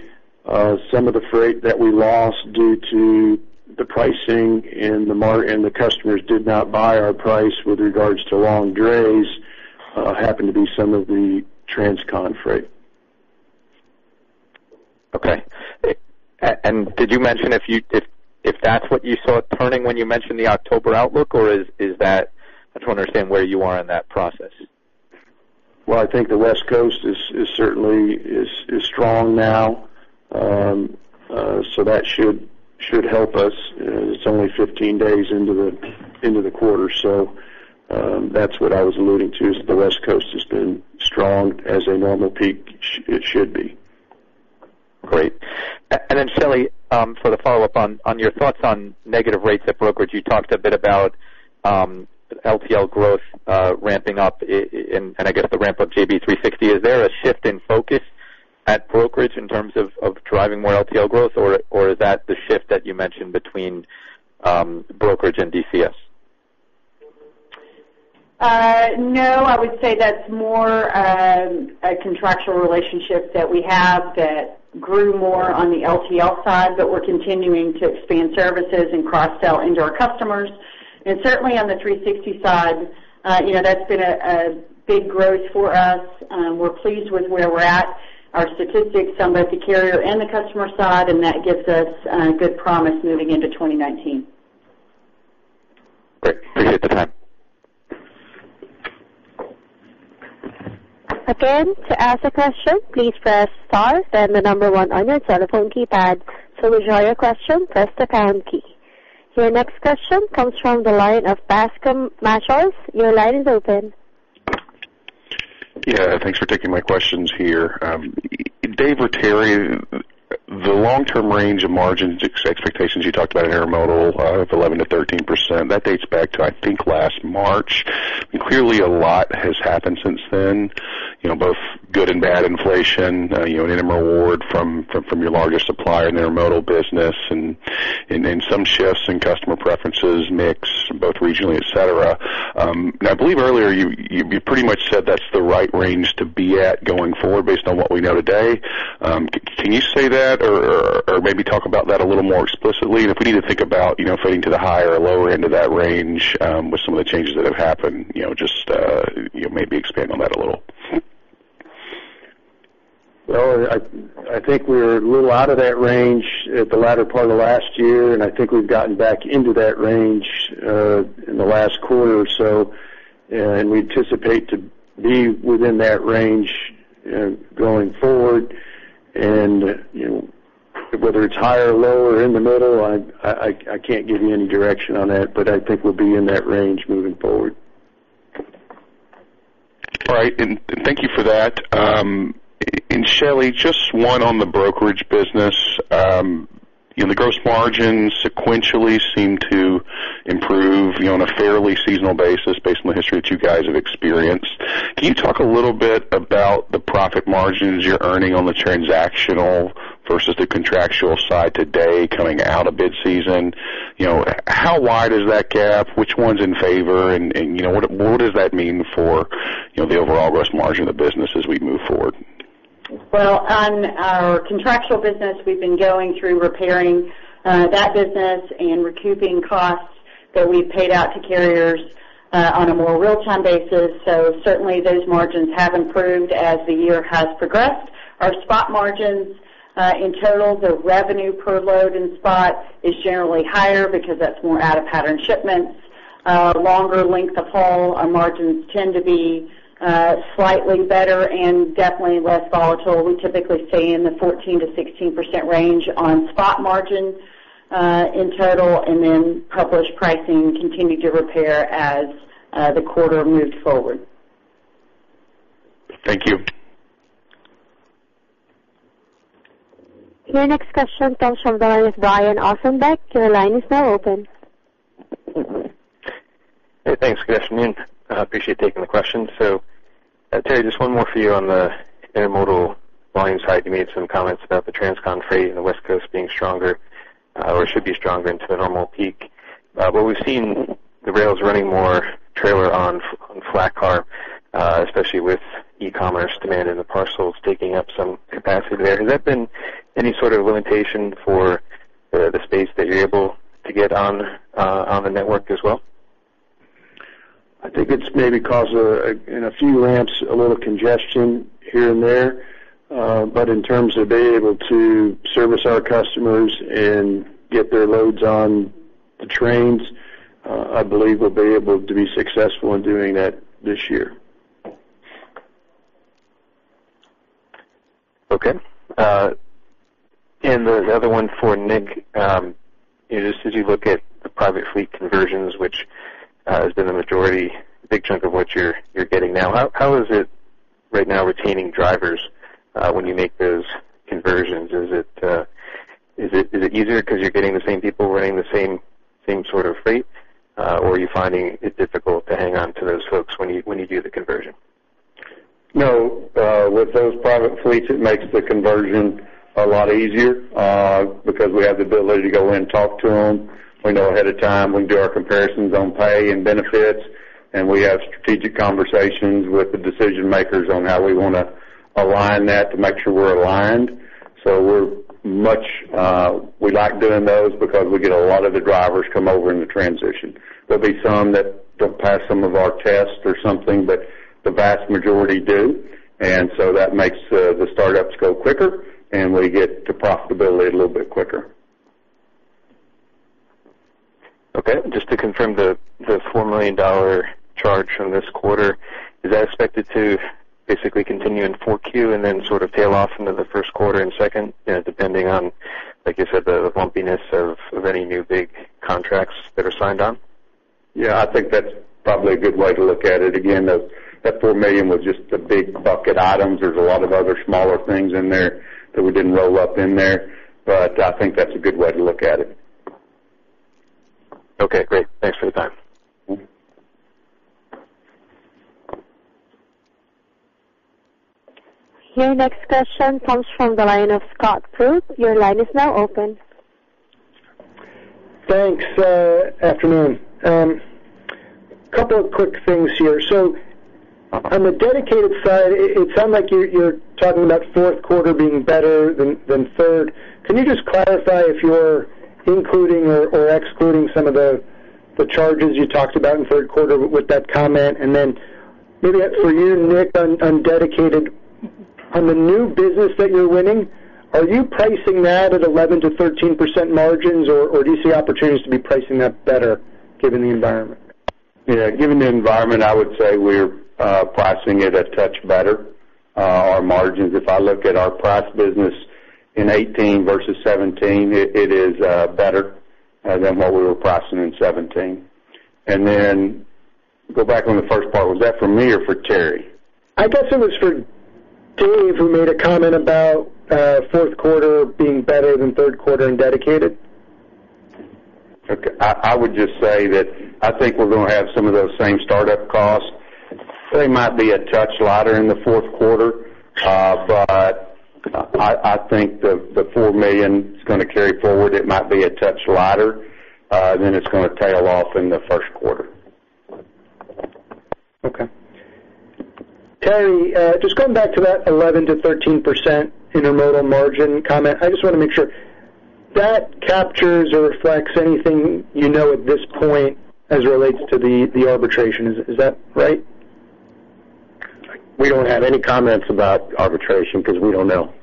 some of the freight that we lost due to the pricing and the customers did not buy our price with regards to long drays happened to be some of the transcontinental freight. Okay. Did you mention if that's what you saw turning when you mentioned the October outlook, or is that, I just want to understand where you are in that process. Well, I think the West Coast is certainly strong now. That should help us. It's only 15 days into the quarter, that's what I was alluding to, is the West Coast has been strong as a normal peak it should be. Great. Shelley, for the follow-up on your thoughts on negative rates at brokerage. You talked a bit about LTL growth ramping up. I guess the ramp up J.B. 360. Is there a shift in focus at brokerage in terms of driving more LTL growth, or is that the shift that you mentioned between brokerage and DCS? I would say that's more a contractual relationship that we have that grew more on the LTL side, but we're continuing to expand services and cross-sell into our customers. Certainly on the 360 side, that's been a big growth for us. We're pleased with where we're at, our statistics on both the carrier and the customer side, and that gives us good promise moving into 2019. Great. Appreciate the time. To ask a question, please press star, then the number 1 on your telephone keypad. To withdraw your question, press the pound key. Your next question comes from the line of Bascome Majors. Your line is open. Yeah, thanks for taking my questions here. Dave or Terry, the long-term range of margins expectations you talked about in intermodal of 11%-13%, that dates back to, I think, last March. Clearly a lot has happened since then, both good and bad inflation, an interim reward from your largest supplier in the intermodal business and then some shifts in customer preferences, mix both regionally, et cetera. I believe earlier you pretty much said that's the right range to be at going forward based on what we know today. Can you say that or maybe talk about that a little more explicitly? If we need to think about fitting to the higher or lower end of that range with some of the changes that have happened, just maybe expand on that a little. Well, I think we were a little out of that range at the latter part of last year. I think we've gotten back into that range in the last quarter or so. We anticipate to be within that range going forward. Whether it's higher or lower, in the middle, I can't give you any direction on that, but I think we'll be in that range moving forward. All right. Thank you for that. Shelley, just one on the brokerage business. The gross margins sequentially seem to improve on a fairly seasonal basis based on the history that you guys have experienced. Can you talk a little bit about the profit margins you're earning on the transactional versus the contractual side today coming out of bid season? How wide is that gap? Which one's in favor? What does that mean for the overall gross margin of the business as we move forward? Well, on our contractual business, we've been going through repairing that business and recouping costs that we've paid out to carriers on a more real-time basis. Certainly, those margins have improved as the year has progressed. Our spot margins, in total, the revenue per load in spot is generally higher because that's more out-of-pattern shipments, longer length of haul. Our margins tend to be slightly better and definitely less volatile. We typically stay in the 14%-16% range on spot margin in total, published pricing continued to repair as the quarter moves forward. Thank you. Your next question comes from the line of Brian Ossenbeck. Your line is now open. Hey, thanks. Good afternoon. I appreciate taking the question. Terry, just one more for you on the intermodal volume side. You made some comments about the transcon freight and the West Coast being stronger, or should be stronger into the normal peak. We've seen the rails running more trailer-on-flatcar, especially with e-commerce demand and the parcels taking up some capacity there. Has that been any sort of limitation for the space that you're able to get on the network as well? I think it's maybe caused, in a few ramps, a little congestion here and there. In terms of being able to service our customers and get their loads on the trains, I believe we'll be able to be successful in doing that this year. Okay. The other one for Nick. As you look at the private fleet conversions, which has been a majority, big chunk of what you're getting now, how is it right now retaining drivers when you make those conversions? Is it easier because you're getting the same people running the same sort of freight? Or are you finding it difficult to hang on to those folks when you do the conversion? No. With those private fleets, it makes the conversion a lot easier because we have the ability to go in, talk to them. We know ahead of time. We do our comparisons on pay and benefits, and we have strategic conversations with the decision makers on how we want to align that to make sure we're aligned. We like doing those because we get a lot of the drivers come over in the transition. There'll be some that don't pass some of our tests or something, but the vast majority do, and so that makes the startups go quicker, and we get to profitability a little bit quicker. Okay. Just to confirm the $4 million charge from this quarter, is that expected to basically continue in 4Q and then sort of tail off into the first quarter and second, depending on, like you said, the bumpiness of any new big contracts that are signed on? Yeah, I think that's probably a good way to look at it. Again, that $4 million was just the big bucket items. There's a lot of other smaller things in there that we didn't roll up in there, but I think that's a good way to look at it. Okay, great. Thanks for the time. Your next question comes from the line of Scott Group. Your line is now open. Thanks. Afternoon. Couple of quick things here. On the dedicated side, it sounds like you're talking about fourth quarter being better than third. Can you just clarify if you're including or excluding some of the charges you talked about in third quarter with that comment? Then maybe for you, Nick, on dedicated, on the new business that you're winning, are you pricing that at 11%-13% margins, or do you see opportunities to be pricing that better given the environment? Given the environment, I would say we're pricing it a touch better. Our margins, if I look at our price business in 2018 versus 2017, it is better than what we were pricing in 2017. Go back on the first part. Was that for me or for Terry? I guess it was for Dave, who made a comment about fourth quarter being better than third quarter in dedicated. Okay. I would just say that I think we're going to have some of those same startup costs. They might be a touch lighter in the fourth quarter, but I think the $4 million is going to carry forward. It might be a touch lighter, then it's going to tail off in the first quarter. Okay. Terry, just going back to that 11%-13% intermodal margin comment. I just want to make sure. That captures or reflects anything you know at this point as it relates to the arbitration. Is that right? We don't have any comments about arbitration because we don't know.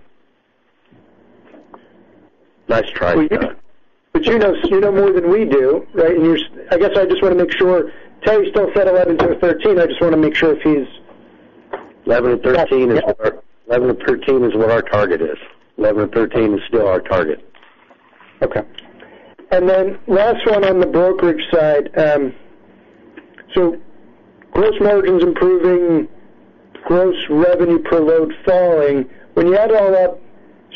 Nice try, Scott. You know more than we do, right? I guess I just want to make sure. Terry still said 11-13. 11-13 is what our target is. 11-13 is still our target. Okay. Last one on the brokerage side. Gross margins improving, gross revenue per load falling. When you add it all up,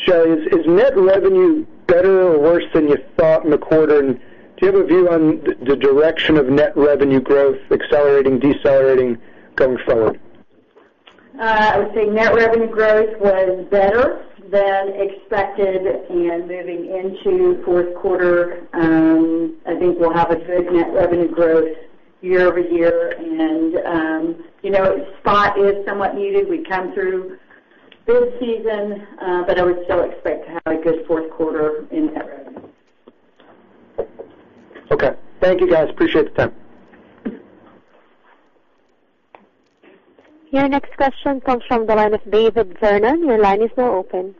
Shelley, is net revenue better or worse than you thought in the quarter, and do you have a view on the direction of net revenue growth accelerating, decelerating going forward? I would say net revenue growth was better than expected. Moving into fourth quarter, I think we'll have a good net revenue growth year-over-year, and spot is somewhat muted. We come through busy season, but I would still expect to have a good fourth quarter in everything. Okay. Thank you, guys. Appreciate the time. Your next question comes from the line of David Zernan. Your line is now open.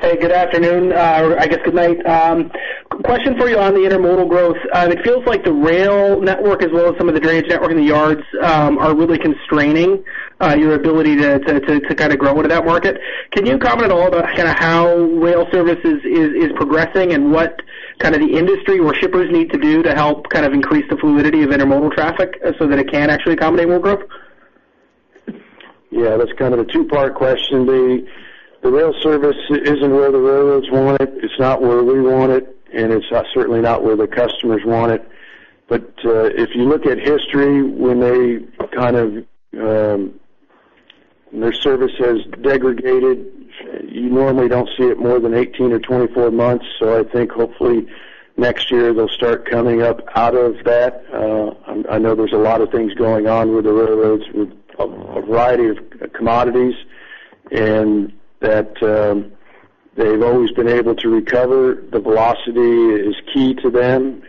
Hey, good afternoon, or I guess good night. Question for you on the intermodal growth. It feels like the rail network as well as some of the drayage network in the yards are really constraining your ability to grow into that market. Can you comment at all about how rail services is progressing and what the industry or shippers need to do to help increase the fluidity of intermodal traffic so that it can actually accommodate more growth? Yeah, that's a two-part question, Dave. The rail service isn't where the railroads want it's not where we want it, and it's certainly not where the customers want it. If you look at history, when their service has degraded, you normally don't see it more than 18 or 24 months. I think hopefully next year they'll start coming up out of that. I know there's a lot of things going on with the railroads, with a variety of commodities, and that they've always been able to recover. The velocity is key to them,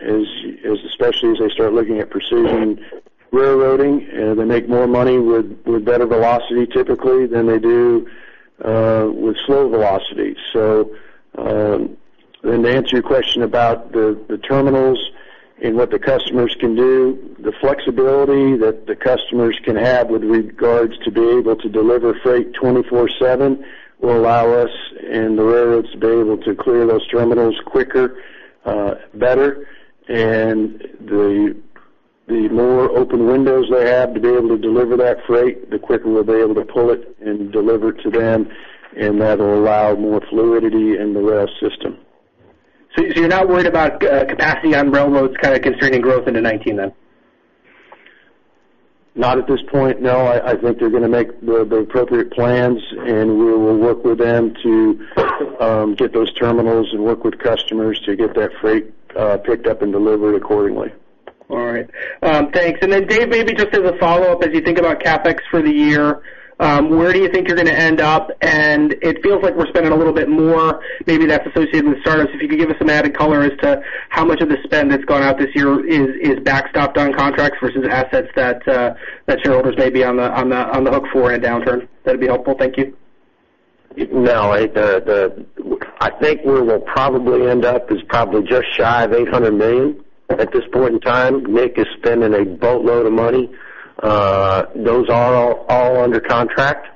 especially as they start looking at Precision Scheduled Railroading. They make more money with better velocity typically than they do with slow velocity. To answer your question about the terminals and what the customers can do, the flexibility that the customers can have with regards to be able to deliver freight 24/7 will allow us and the railroads to be able to clear those terminals quicker, better. The more open windows they have to be able to deliver that freight, the quicker we'll be able to pull it and deliver it to them, and that'll allow more fluidity in the rail system. You're not worried about capacity on railroads constraining growth into 2019, then? Not at this point, no. I think they're going to make the appropriate plans, we will work with them to get those terminals and work with customers to get that freight picked up and delivered accordingly. All right. Thanks. Dave, maybe just as a follow-up, as you think about CapEx for the year, where do you think you're going to end up? It feels like we're spending a little bit more, maybe that's associated with startups. If you could give us some added color as to how much of the spend that's gone out this year is backstopped on contracts versus assets that shareholders may be on the hook for in a downturn, that'd be helpful. Thank you. No. I think where we'll probably end up is probably just shy of $800 million at this point in time. Nick is spending a boatload of money. Those are all under contract.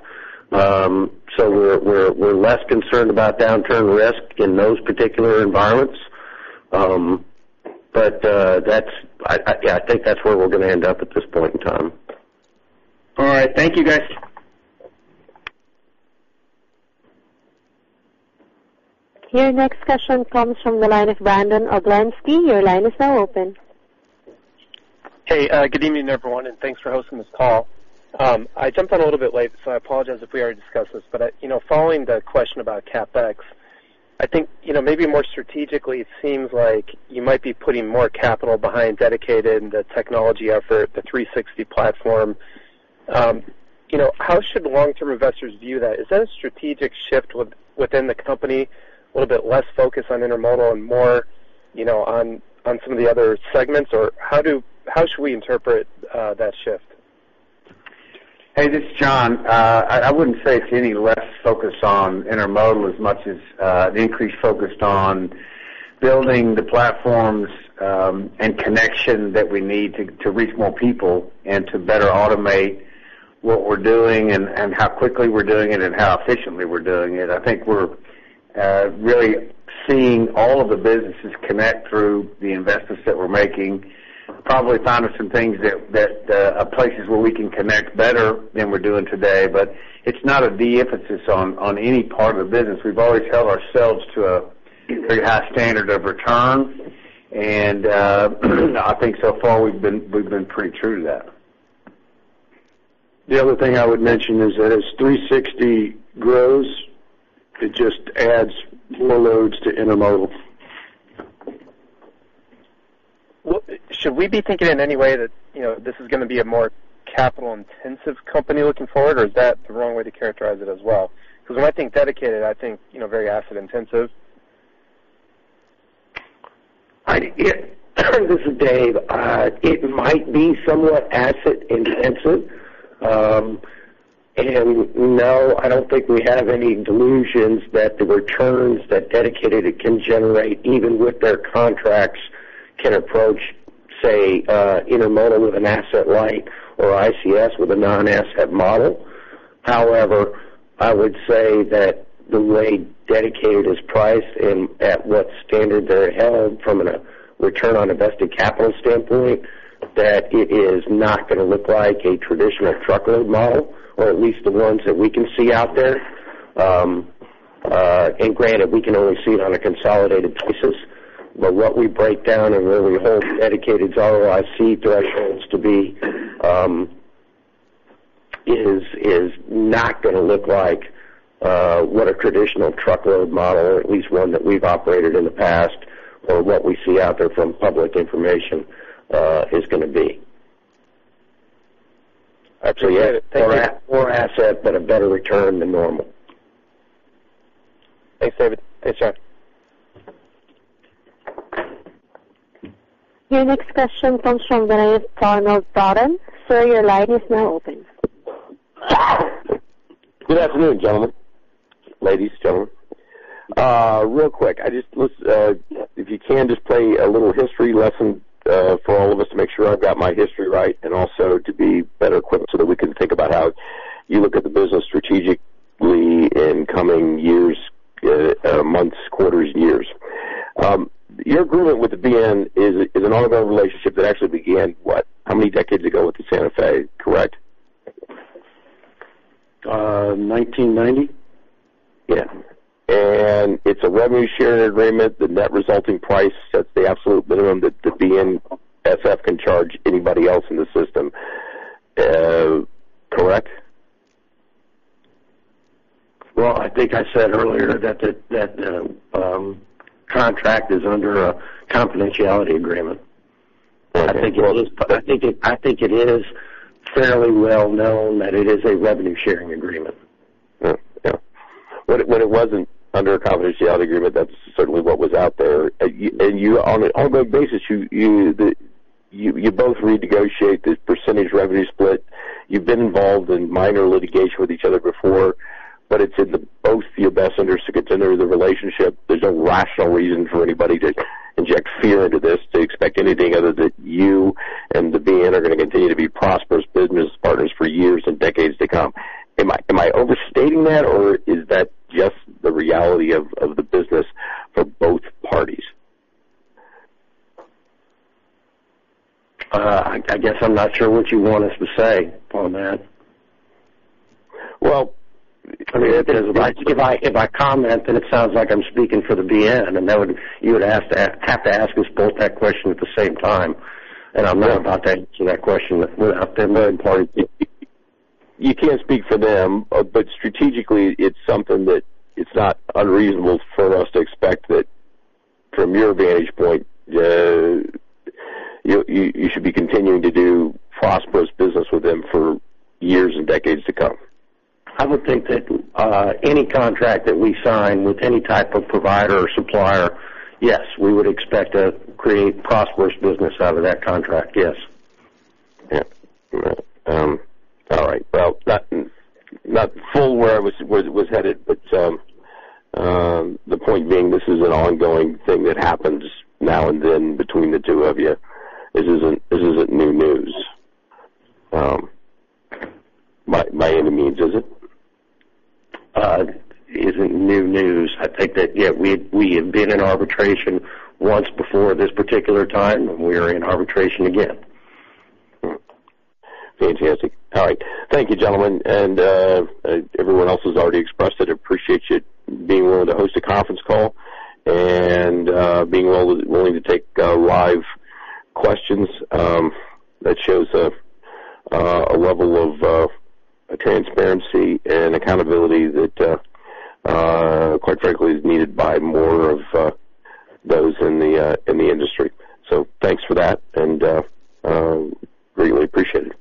We're less concerned about downturn risk in those particular environments. I think that's where we're going to end up at this point in time. All right. Thank you, guys. Your next question comes from the line of Brandon Oglenski. Your line is now open. Hey, good evening, everyone, and thanks for hosting this call. I jumped on a little bit late, so I apologize if we already discussed this. Following the question about CapEx, I think maybe more strategically, it seems like you might be putting more capital behind Dedicated and the technology effort, the 360 platform. How should long-term investors view that? Is that a strategic shift within the company, a little bit less focus on Intermodal and more on some of the other segments, or how should we interpret that shift? Hey, this is John. I wouldn't say it's any less focus on intermodal as much as an increased focus on building the platforms and connection that we need to reach more people and to better automate what we're doing and how quickly we're doing it and how efficiently we're doing it. I think we're really seeing all of the businesses connect through the investments that we're making. Probably find us some things that are places where we can connect better than we're doing today. It's not a de-emphasis on any part of the business. We've always held ourselves to a very high standard of return, and I think so far we've been pretty true to that. The other thing I would mention is that as 360 grows, it just adds more loads to intermodal. Should we be thinking in any way that this is going to be a more capital intensive company looking forward, or is that the wrong way to characterize it as well? Because when I think Dedicated, I think very asset intensive. This is Dave. It might be somewhat asset intensive. No, I don't think we have any delusions that the returns that Dedicated can generate, even with their contracts, can approach, say, intermodal with an asset light or ICS with a non-asset model. However, I would say that the way Dedicated is priced and at what standard they're held from a return on invested capital standpoint, that it is not going to look like a traditional truckload model, or at least the ones that we can see out there. Granted, we can only see it on a consolidated basis. What we break down and where we hold Dedicated's ROIC thresholds to be Is not going to look like what a traditional truckload model, or at least one that we've operated in the past, or what we see out there from public information, is going to be. Yes, take a poor asset but a better return than normal. Thanks, David. Thanks, John. Your next question comes from the line of Arnold, Dan. Sir, your line is now open. Good afternoon, gentlemen. Ladies, gentlemen. Real quick, if you can just play a little history lesson for all of us to make sure I've got my history right, and also to be better equipped so that we can think about how you look at the business strategically in coming months, quarters, years. Your agreement with the BNSF is an ongoing relationship that actually began, what, how many decades ago with the Santa Fe, correct? 1990. Yeah. It's a revenue sharing agreement, the net resulting price sets the absolute minimum that the BNSF can charge anybody else in the system. Correct? Well, I think I said earlier that the contract is under a confidentiality agreement. Okay. I think it is fairly well known that it is a revenue sharing agreement. Yeah. When it wasn't under a confidentiality agreement, that's certainly what was out there. On an ongoing basis, you both renegotiate this percentage revenue split. You've been involved in minor litigation with each other before, it's in both of your best interests to continue the relationship. There's no rational reason for anybody to inject fear into this, to expect anything other than you and the BN are going to continue to be prosperous business partners for years and decades to come. Am I overstating that, or is that just the reality of the business for both parties? I guess I'm not sure what you want us to say on that. Well- If I comment, then it sounds like I'm speaking for the BN. You would have to ask us both that question at the same time. I'm not about to answer that question without the third party. You can't speak for them. Strategically, it's something that is not unreasonable for us to expect that from your vantage point, you should be continuing to do prosperous business with them for years and decades to come. I would think that any contract that we sign with any type of provider or supplier, yes, we would expect to create prosperous business out of that contract. Yes. Yeah. All right. Well, not full where I was headed, but the point being, this is an ongoing thing that happens now and then between the two of you. This isn't new news. By any means, is it? It isn't new news. I think that, yeah, we have been in arbitration once before this particular time. We are in arbitration again. Fantastic. All right. Thank you, gentlemen. Everyone else has already expressed it. I appreciate you being willing to host a conference call and being willing to take live questions. That shows a level of transparency and accountability that, quite frankly, is needed by more of those in the industry. Thanks for that. That is greatly appreciated.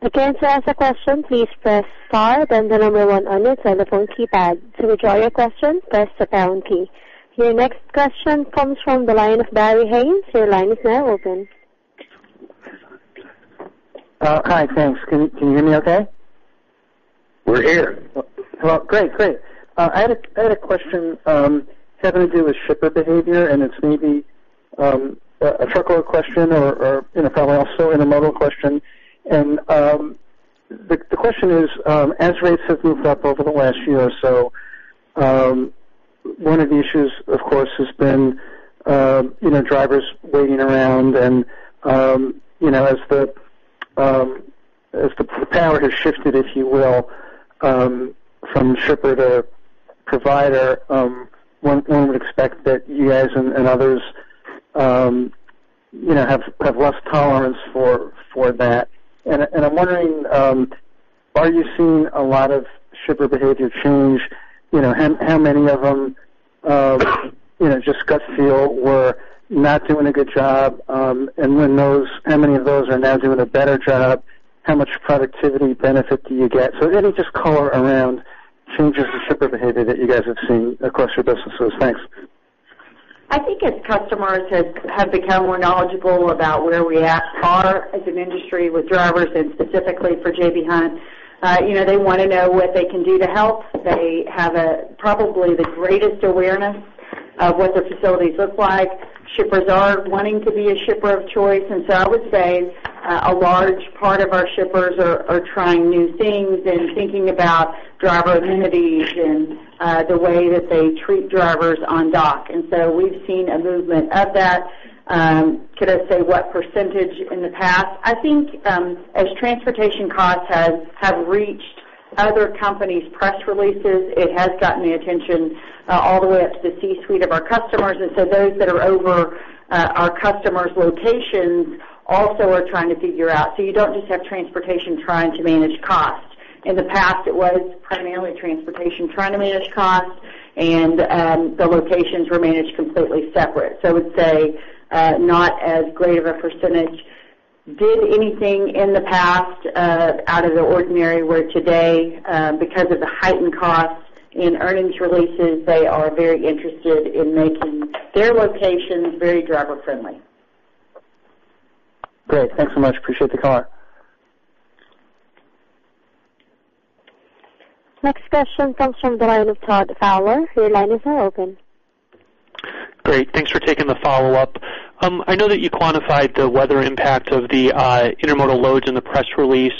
Again, to ask a question, please press star then the number one on your telephone keypad. To withdraw your question, press the pound key. Your next question comes from the line of Barry Hayes. Your line is now open. Hi, thanks. Can you hear me okay? We're here. Well, great. I had a question having to do with shipper behavior, and it's maybe a truckload question or probably also an intermodal question. The question is, as rates have moved up over the last year or so, one of the issues, of course, has been drivers waiting around and as the power has shifted, if you will, from shipper to provider, one would expect that you guys and others have less tolerance for that. I'm wondering, are you seeing a lot of shipper behavior change? How many of them, just gut feel, were not doing a good job? How many of those are now doing a better job? How much productivity benefit do you get? Any just color around changes in shipper behavior that you guys have seen across your businesses. Thanks. I think as customers have become more knowledgeable about where we are as an industry with drivers and specifically for J.B. Hunt, they want to know what they can do to help. They have probably the greatest awareness of what the facilities look like. Shippers are wanting to be a shipper of choice. I would say a large part of our shippers are trying new things and thinking about driver amenities and the way that they treat drivers on dock. We've seen a movement of that. Could I say what percentage in the past? I think as transportation costs have reached Other companies' press releases, it has gotten the attention all the way up to the C-suite of our customers. Those that are over our customers' locations also are trying to figure out. You don't just have transportation trying to manage cost. In the past, it was primarily transportation trying to manage cost, and the locations were managed completely separate. I would say not as great of a percentage did anything in the past out of the ordinary, where today, because of the heightened costs in earnings releases, they are very interested in making their locations very driver-friendly. Great. Thanks so much. Appreciate the call. Next question comes from the line of Todd Fowler. Your line is now open. Great. Thanks for taking the follow-up. I know that you quantified the weather impact of the intermodal loads in the press release.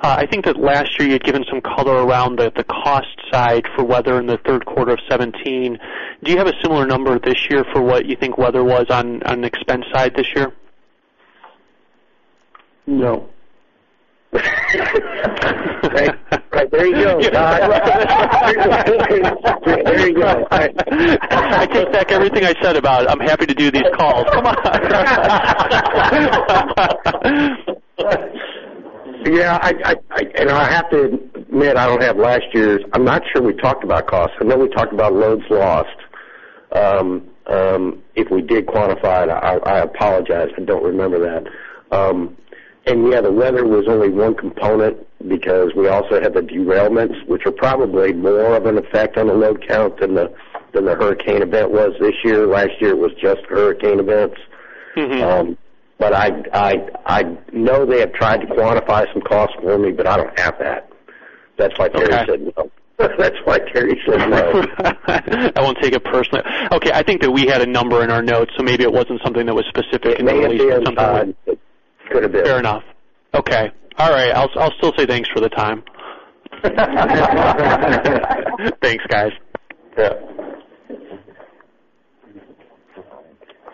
I think that last year you had given some color around the cost side for weather in the third quarter of 2017. Do you have a similar number this year for what you think weather was on the expense side this year? No. Right. There you go, Todd. There you go. I take back everything I said about I'm happy to do these calls. Come on. Yeah. I have to admit, I don't have last year's. I'm not sure we talked about costs. I know we talked about loads lost. If we did quantify it, I apologize. I don't remember that. Yeah, the weather was only one component because we also had the derailments, which are probably more of an effect on the load count than the hurricane event was this year. Last year, it was just hurricane events. I know they have tried to quantify some costs for me, but I don't have that. That's why Terry said no. Okay. That's why Terry said no. I won't take it personally. Okay. I think that we had a number in our notes, so maybe it wasn't something that was specific in the release. It may have been, Todd. It could have been. Fair enough. Okay. All right. I'll still say thanks for the time. Thanks, guys.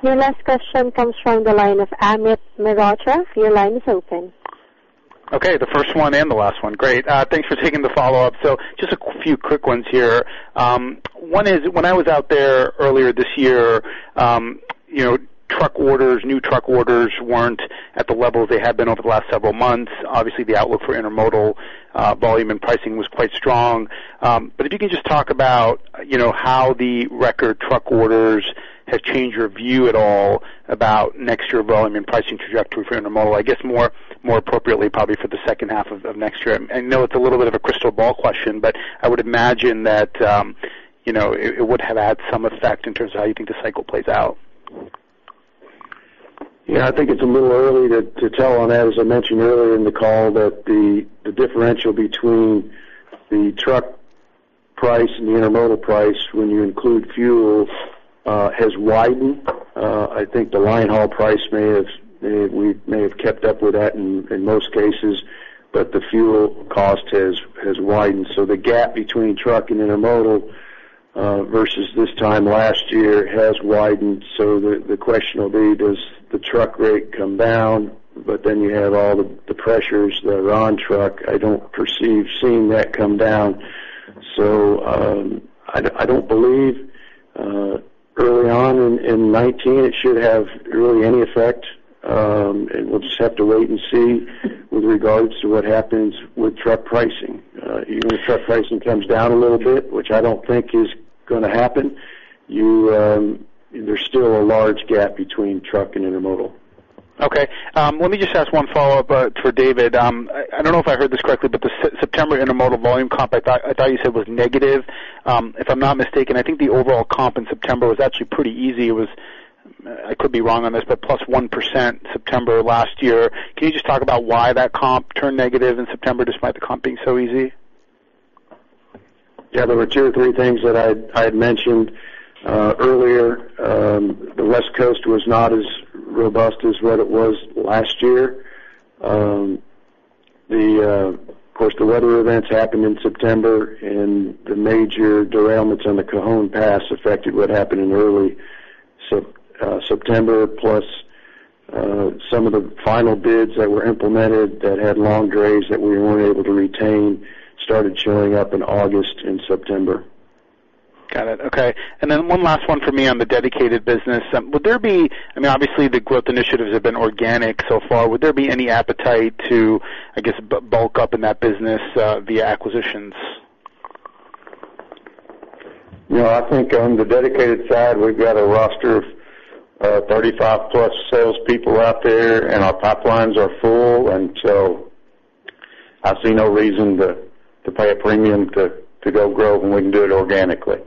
Yeah. Your last question comes from the line of Amit Mehrotra. Your line is open. Okay, the first one and the last one. Great. Thanks for taking the follow-up. Just a few quick ones here. One is, when I was out there earlier this year, truck orders, new truck orders weren't at the levels they had been over the last several months. Obviously, the outlook for intermodal volume and pricing was quite strong. If you can just talk about how the record truck orders have changed your view at all about next year volume and pricing trajectory for intermodal, I guess more appropriately probably for the second half of next year. I know it's a little bit of a crystal ball question, I would imagine that it would have had some effect in terms of how you think the cycle plays out. Yeah, I think it's a little early to tell on that. As I mentioned earlier in the call, that the differential between the truck price and the intermodal price when you include fuel has widened. I think the line haul price, we may have kept up with that in most cases, the fuel cost has widened. The gap between truck and intermodal versus this time last year has widened. The question will be, does the truck rate come down? You have all the pressures that are on truck. I don't perceive seeing that come down. I don't believe early on in 2019, it should have really any effect. We'll just have to wait and see with regards to what happens with truck pricing. Even if truck pricing comes down a little bit, which I don't think is going to happen, there's still a large gap between truck and intermodal. Okay. Let me just ask one follow-up for David. I don't know if I heard this correctly, but the September intermodal volume comp, I thought you said was negative. If I'm not mistaken, I think the overall comp in September was actually pretty easy. It was, I could be wrong on this, but plus 1% September last year. Can you just talk about why that comp turned negative in September despite the comp being so easy? Yeah, there were two or three things that I had mentioned earlier. The West Coast was not as robust as what it was last year. Of course, the weather events happened in September, and the major derailments on the Cajon Pass affected what happened in early September, plus some of the final bids that were implemented that had long drays that we weren't able to retain started showing up in August and September. Got it. Okay. One last one for me on the dedicated business. I mean, obviously, the growth initiatives have been organic so far. Would there be any appetite to, I guess, bulk up in that business via acquisitions? I think on the dedicated side, we've got a roster of 35-plus salespeople out there, and our pipelines are full, and so I see no reason to pay a premium to go grow when we can do it organically.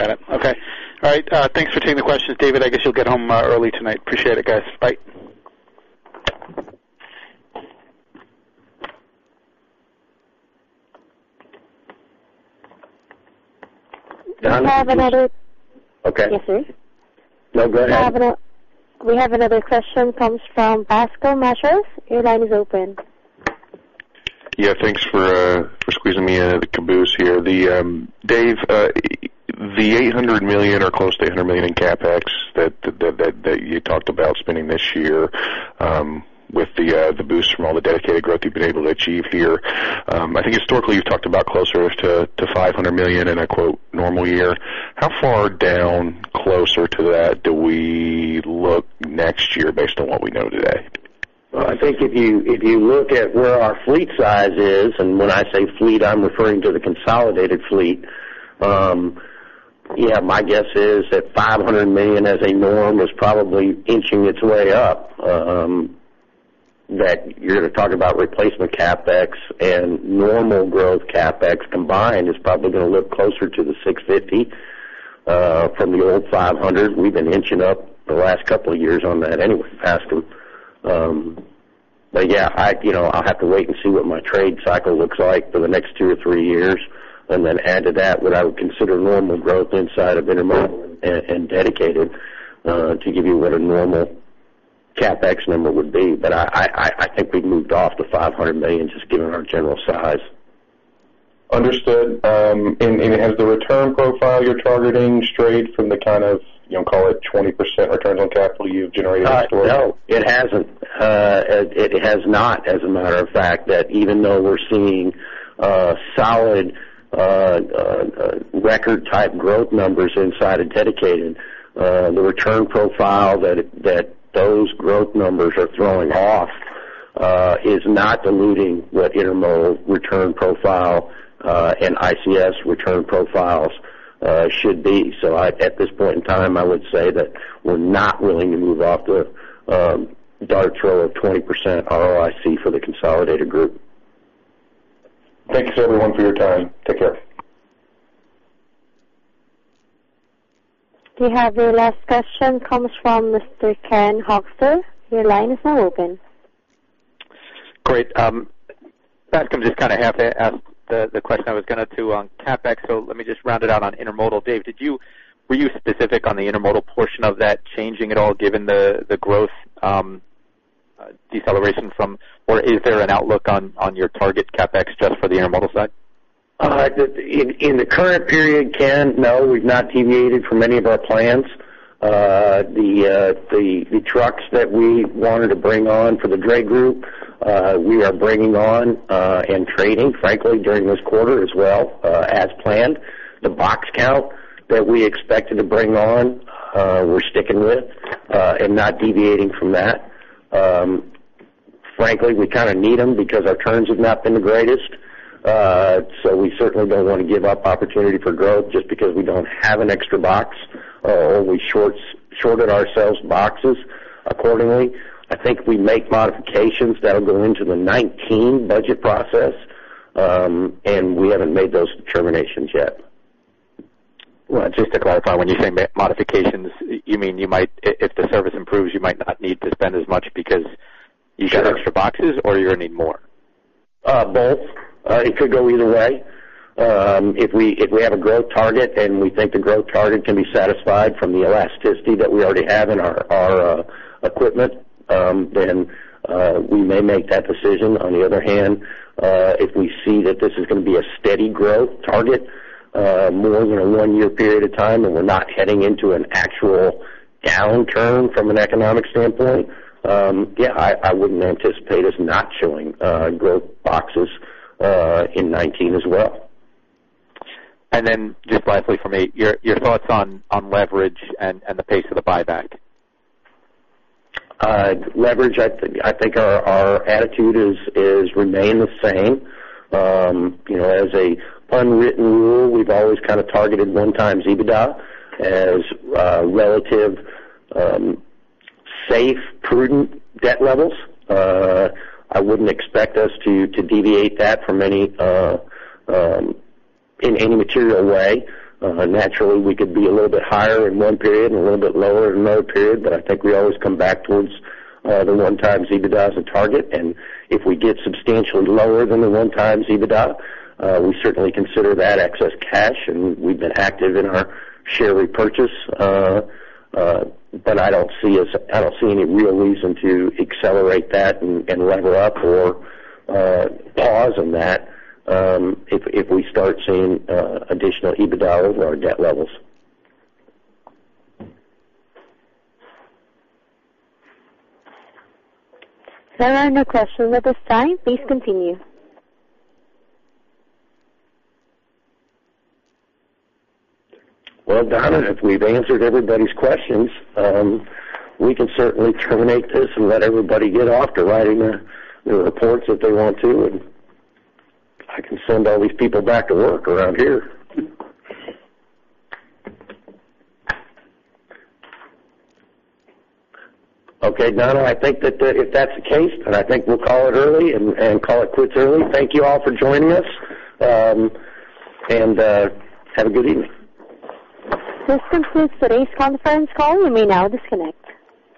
Got it. Okay. All right. Thanks for taking the questions, David. I guess you'll get home early tonight. Appreciate it, guys. Bye. We have. Okay. Yes, sir. No, go ahead. We have another question, comes from Bascome Majors. Your line is open. Yeah, thanks for squeezing me into the caboose here. David, the $800 million or close to $1 billion in CapEx that you talked about spending this year with the boost from all the dedicated growth you've been able to achieve here. I think historically you've talked about closer to $500 million in a "normal year." How far down closer to that do we look next year based on what we know today? Well, I think if you look at where our fleet size is, and when I say fleet, I'm referring to the consolidated fleet. Yeah, my guess is that $500 million as a norm is probably inching its way up, that you're going to talk about replacement CapEx and normal growth CapEx combined is probably going to look closer to the $650 from the old $500. We've been inching up the last couple of years on that anyway, Bascome. Yeah, I'll have to wait and see what my trade cycle looks like for the next two or three years, and then add to that what I would consider normal growth inside of intermodal and dedicated, to give you what a normal CapEx number would be. I think we've moved off the $500 million, just given our general size. Understood. Has the return profile you're targeting strayed from the kind of, call it 20% returns on capital you've generated historically? No, it hasn't. It has not, as a matter of fact. Even though we're seeing solid record type growth numbers inside of dedicated, the return profile that those growth numbers are throwing off is not diluting what intermodal return profile and ICS return profiles should be. At this point in time, I would say that we're not willing to move off the dart throw of 20% ROIC for the consolidated group. Thank you, sir. Everyone for your time. Take care. We have the last question, comes from Mr. Ken Hoexter. Your line is now open. Great. Bascome, just have to ask the question I was going to on CapEx, let me just round it out on intermodal. Dave, were you specific on the intermodal portion of that changing at all given the growth deceleration from, or is there an outlook on your target CapEx just for the intermodal side? In the current period, Ken, no, we've not deviated from any of our plans. The trucks that we wanted to bring on for the Dray group, we are bringing on, and trading, frankly, during this quarter as well, as planned. The box count that we expected to bring on, we're sticking with and not deviating from that. Frankly, we kind of need them because our turns have not been the greatest. We certainly don't want to give up opportunity for growth just because we don't have an extra box or we shorted ourselves boxes accordingly. I think if we make modifications, that'll go into the 2019 budget process, we haven't made those determinations yet. Just to clarify, when you say make modifications, you mean if the service improves, you might not need to spend as much because you got extra boxes, or you're going to need more? Both. It could go either way. If we have a growth target and we think the growth target can be satisfied from the elasticity that we already have in our equipment, we may make that decision. On the other hand, if we see that this is going to be a steady growth target more than a one-year period of time, we're not heading into an actual downturn from an economic standpoint, yeah, I wouldn't anticipate us not showing growth boxes in 2019 as well. Just lastly from me, your thoughts on leverage and the pace of the buyback. Leverage, I think our attitude has remained the same. As an unwritten rule, we've always targeted one times EBITDA as relative, safe, prudent debt levels. I wouldn't expect us to deviate that in any material way. Naturally, we could be a little bit higher in one period and a little bit lower in another period, but I think we always come back towards the one times EBITDA as a target. If we get substantially lower than the one times EBITDA, we certainly consider that excess cash, and we've been active in our share repurchase. I don't see any real reason to accelerate that and level up, or pause on that if we start seeing additional EBITDA over our debt levels. There are no questions at this time. Please continue. Well, Donna, if we've answered everybody's questions, we can certainly terminate this and let everybody get off to writing their reports if they want to. I can send all these people back to work around here. Okay, Donna, I think that if that's the case, I think we'll call it early and call it quits early. Thank you all for joining us, and have a good evening. This concludes today's conference call. You may now disconnect.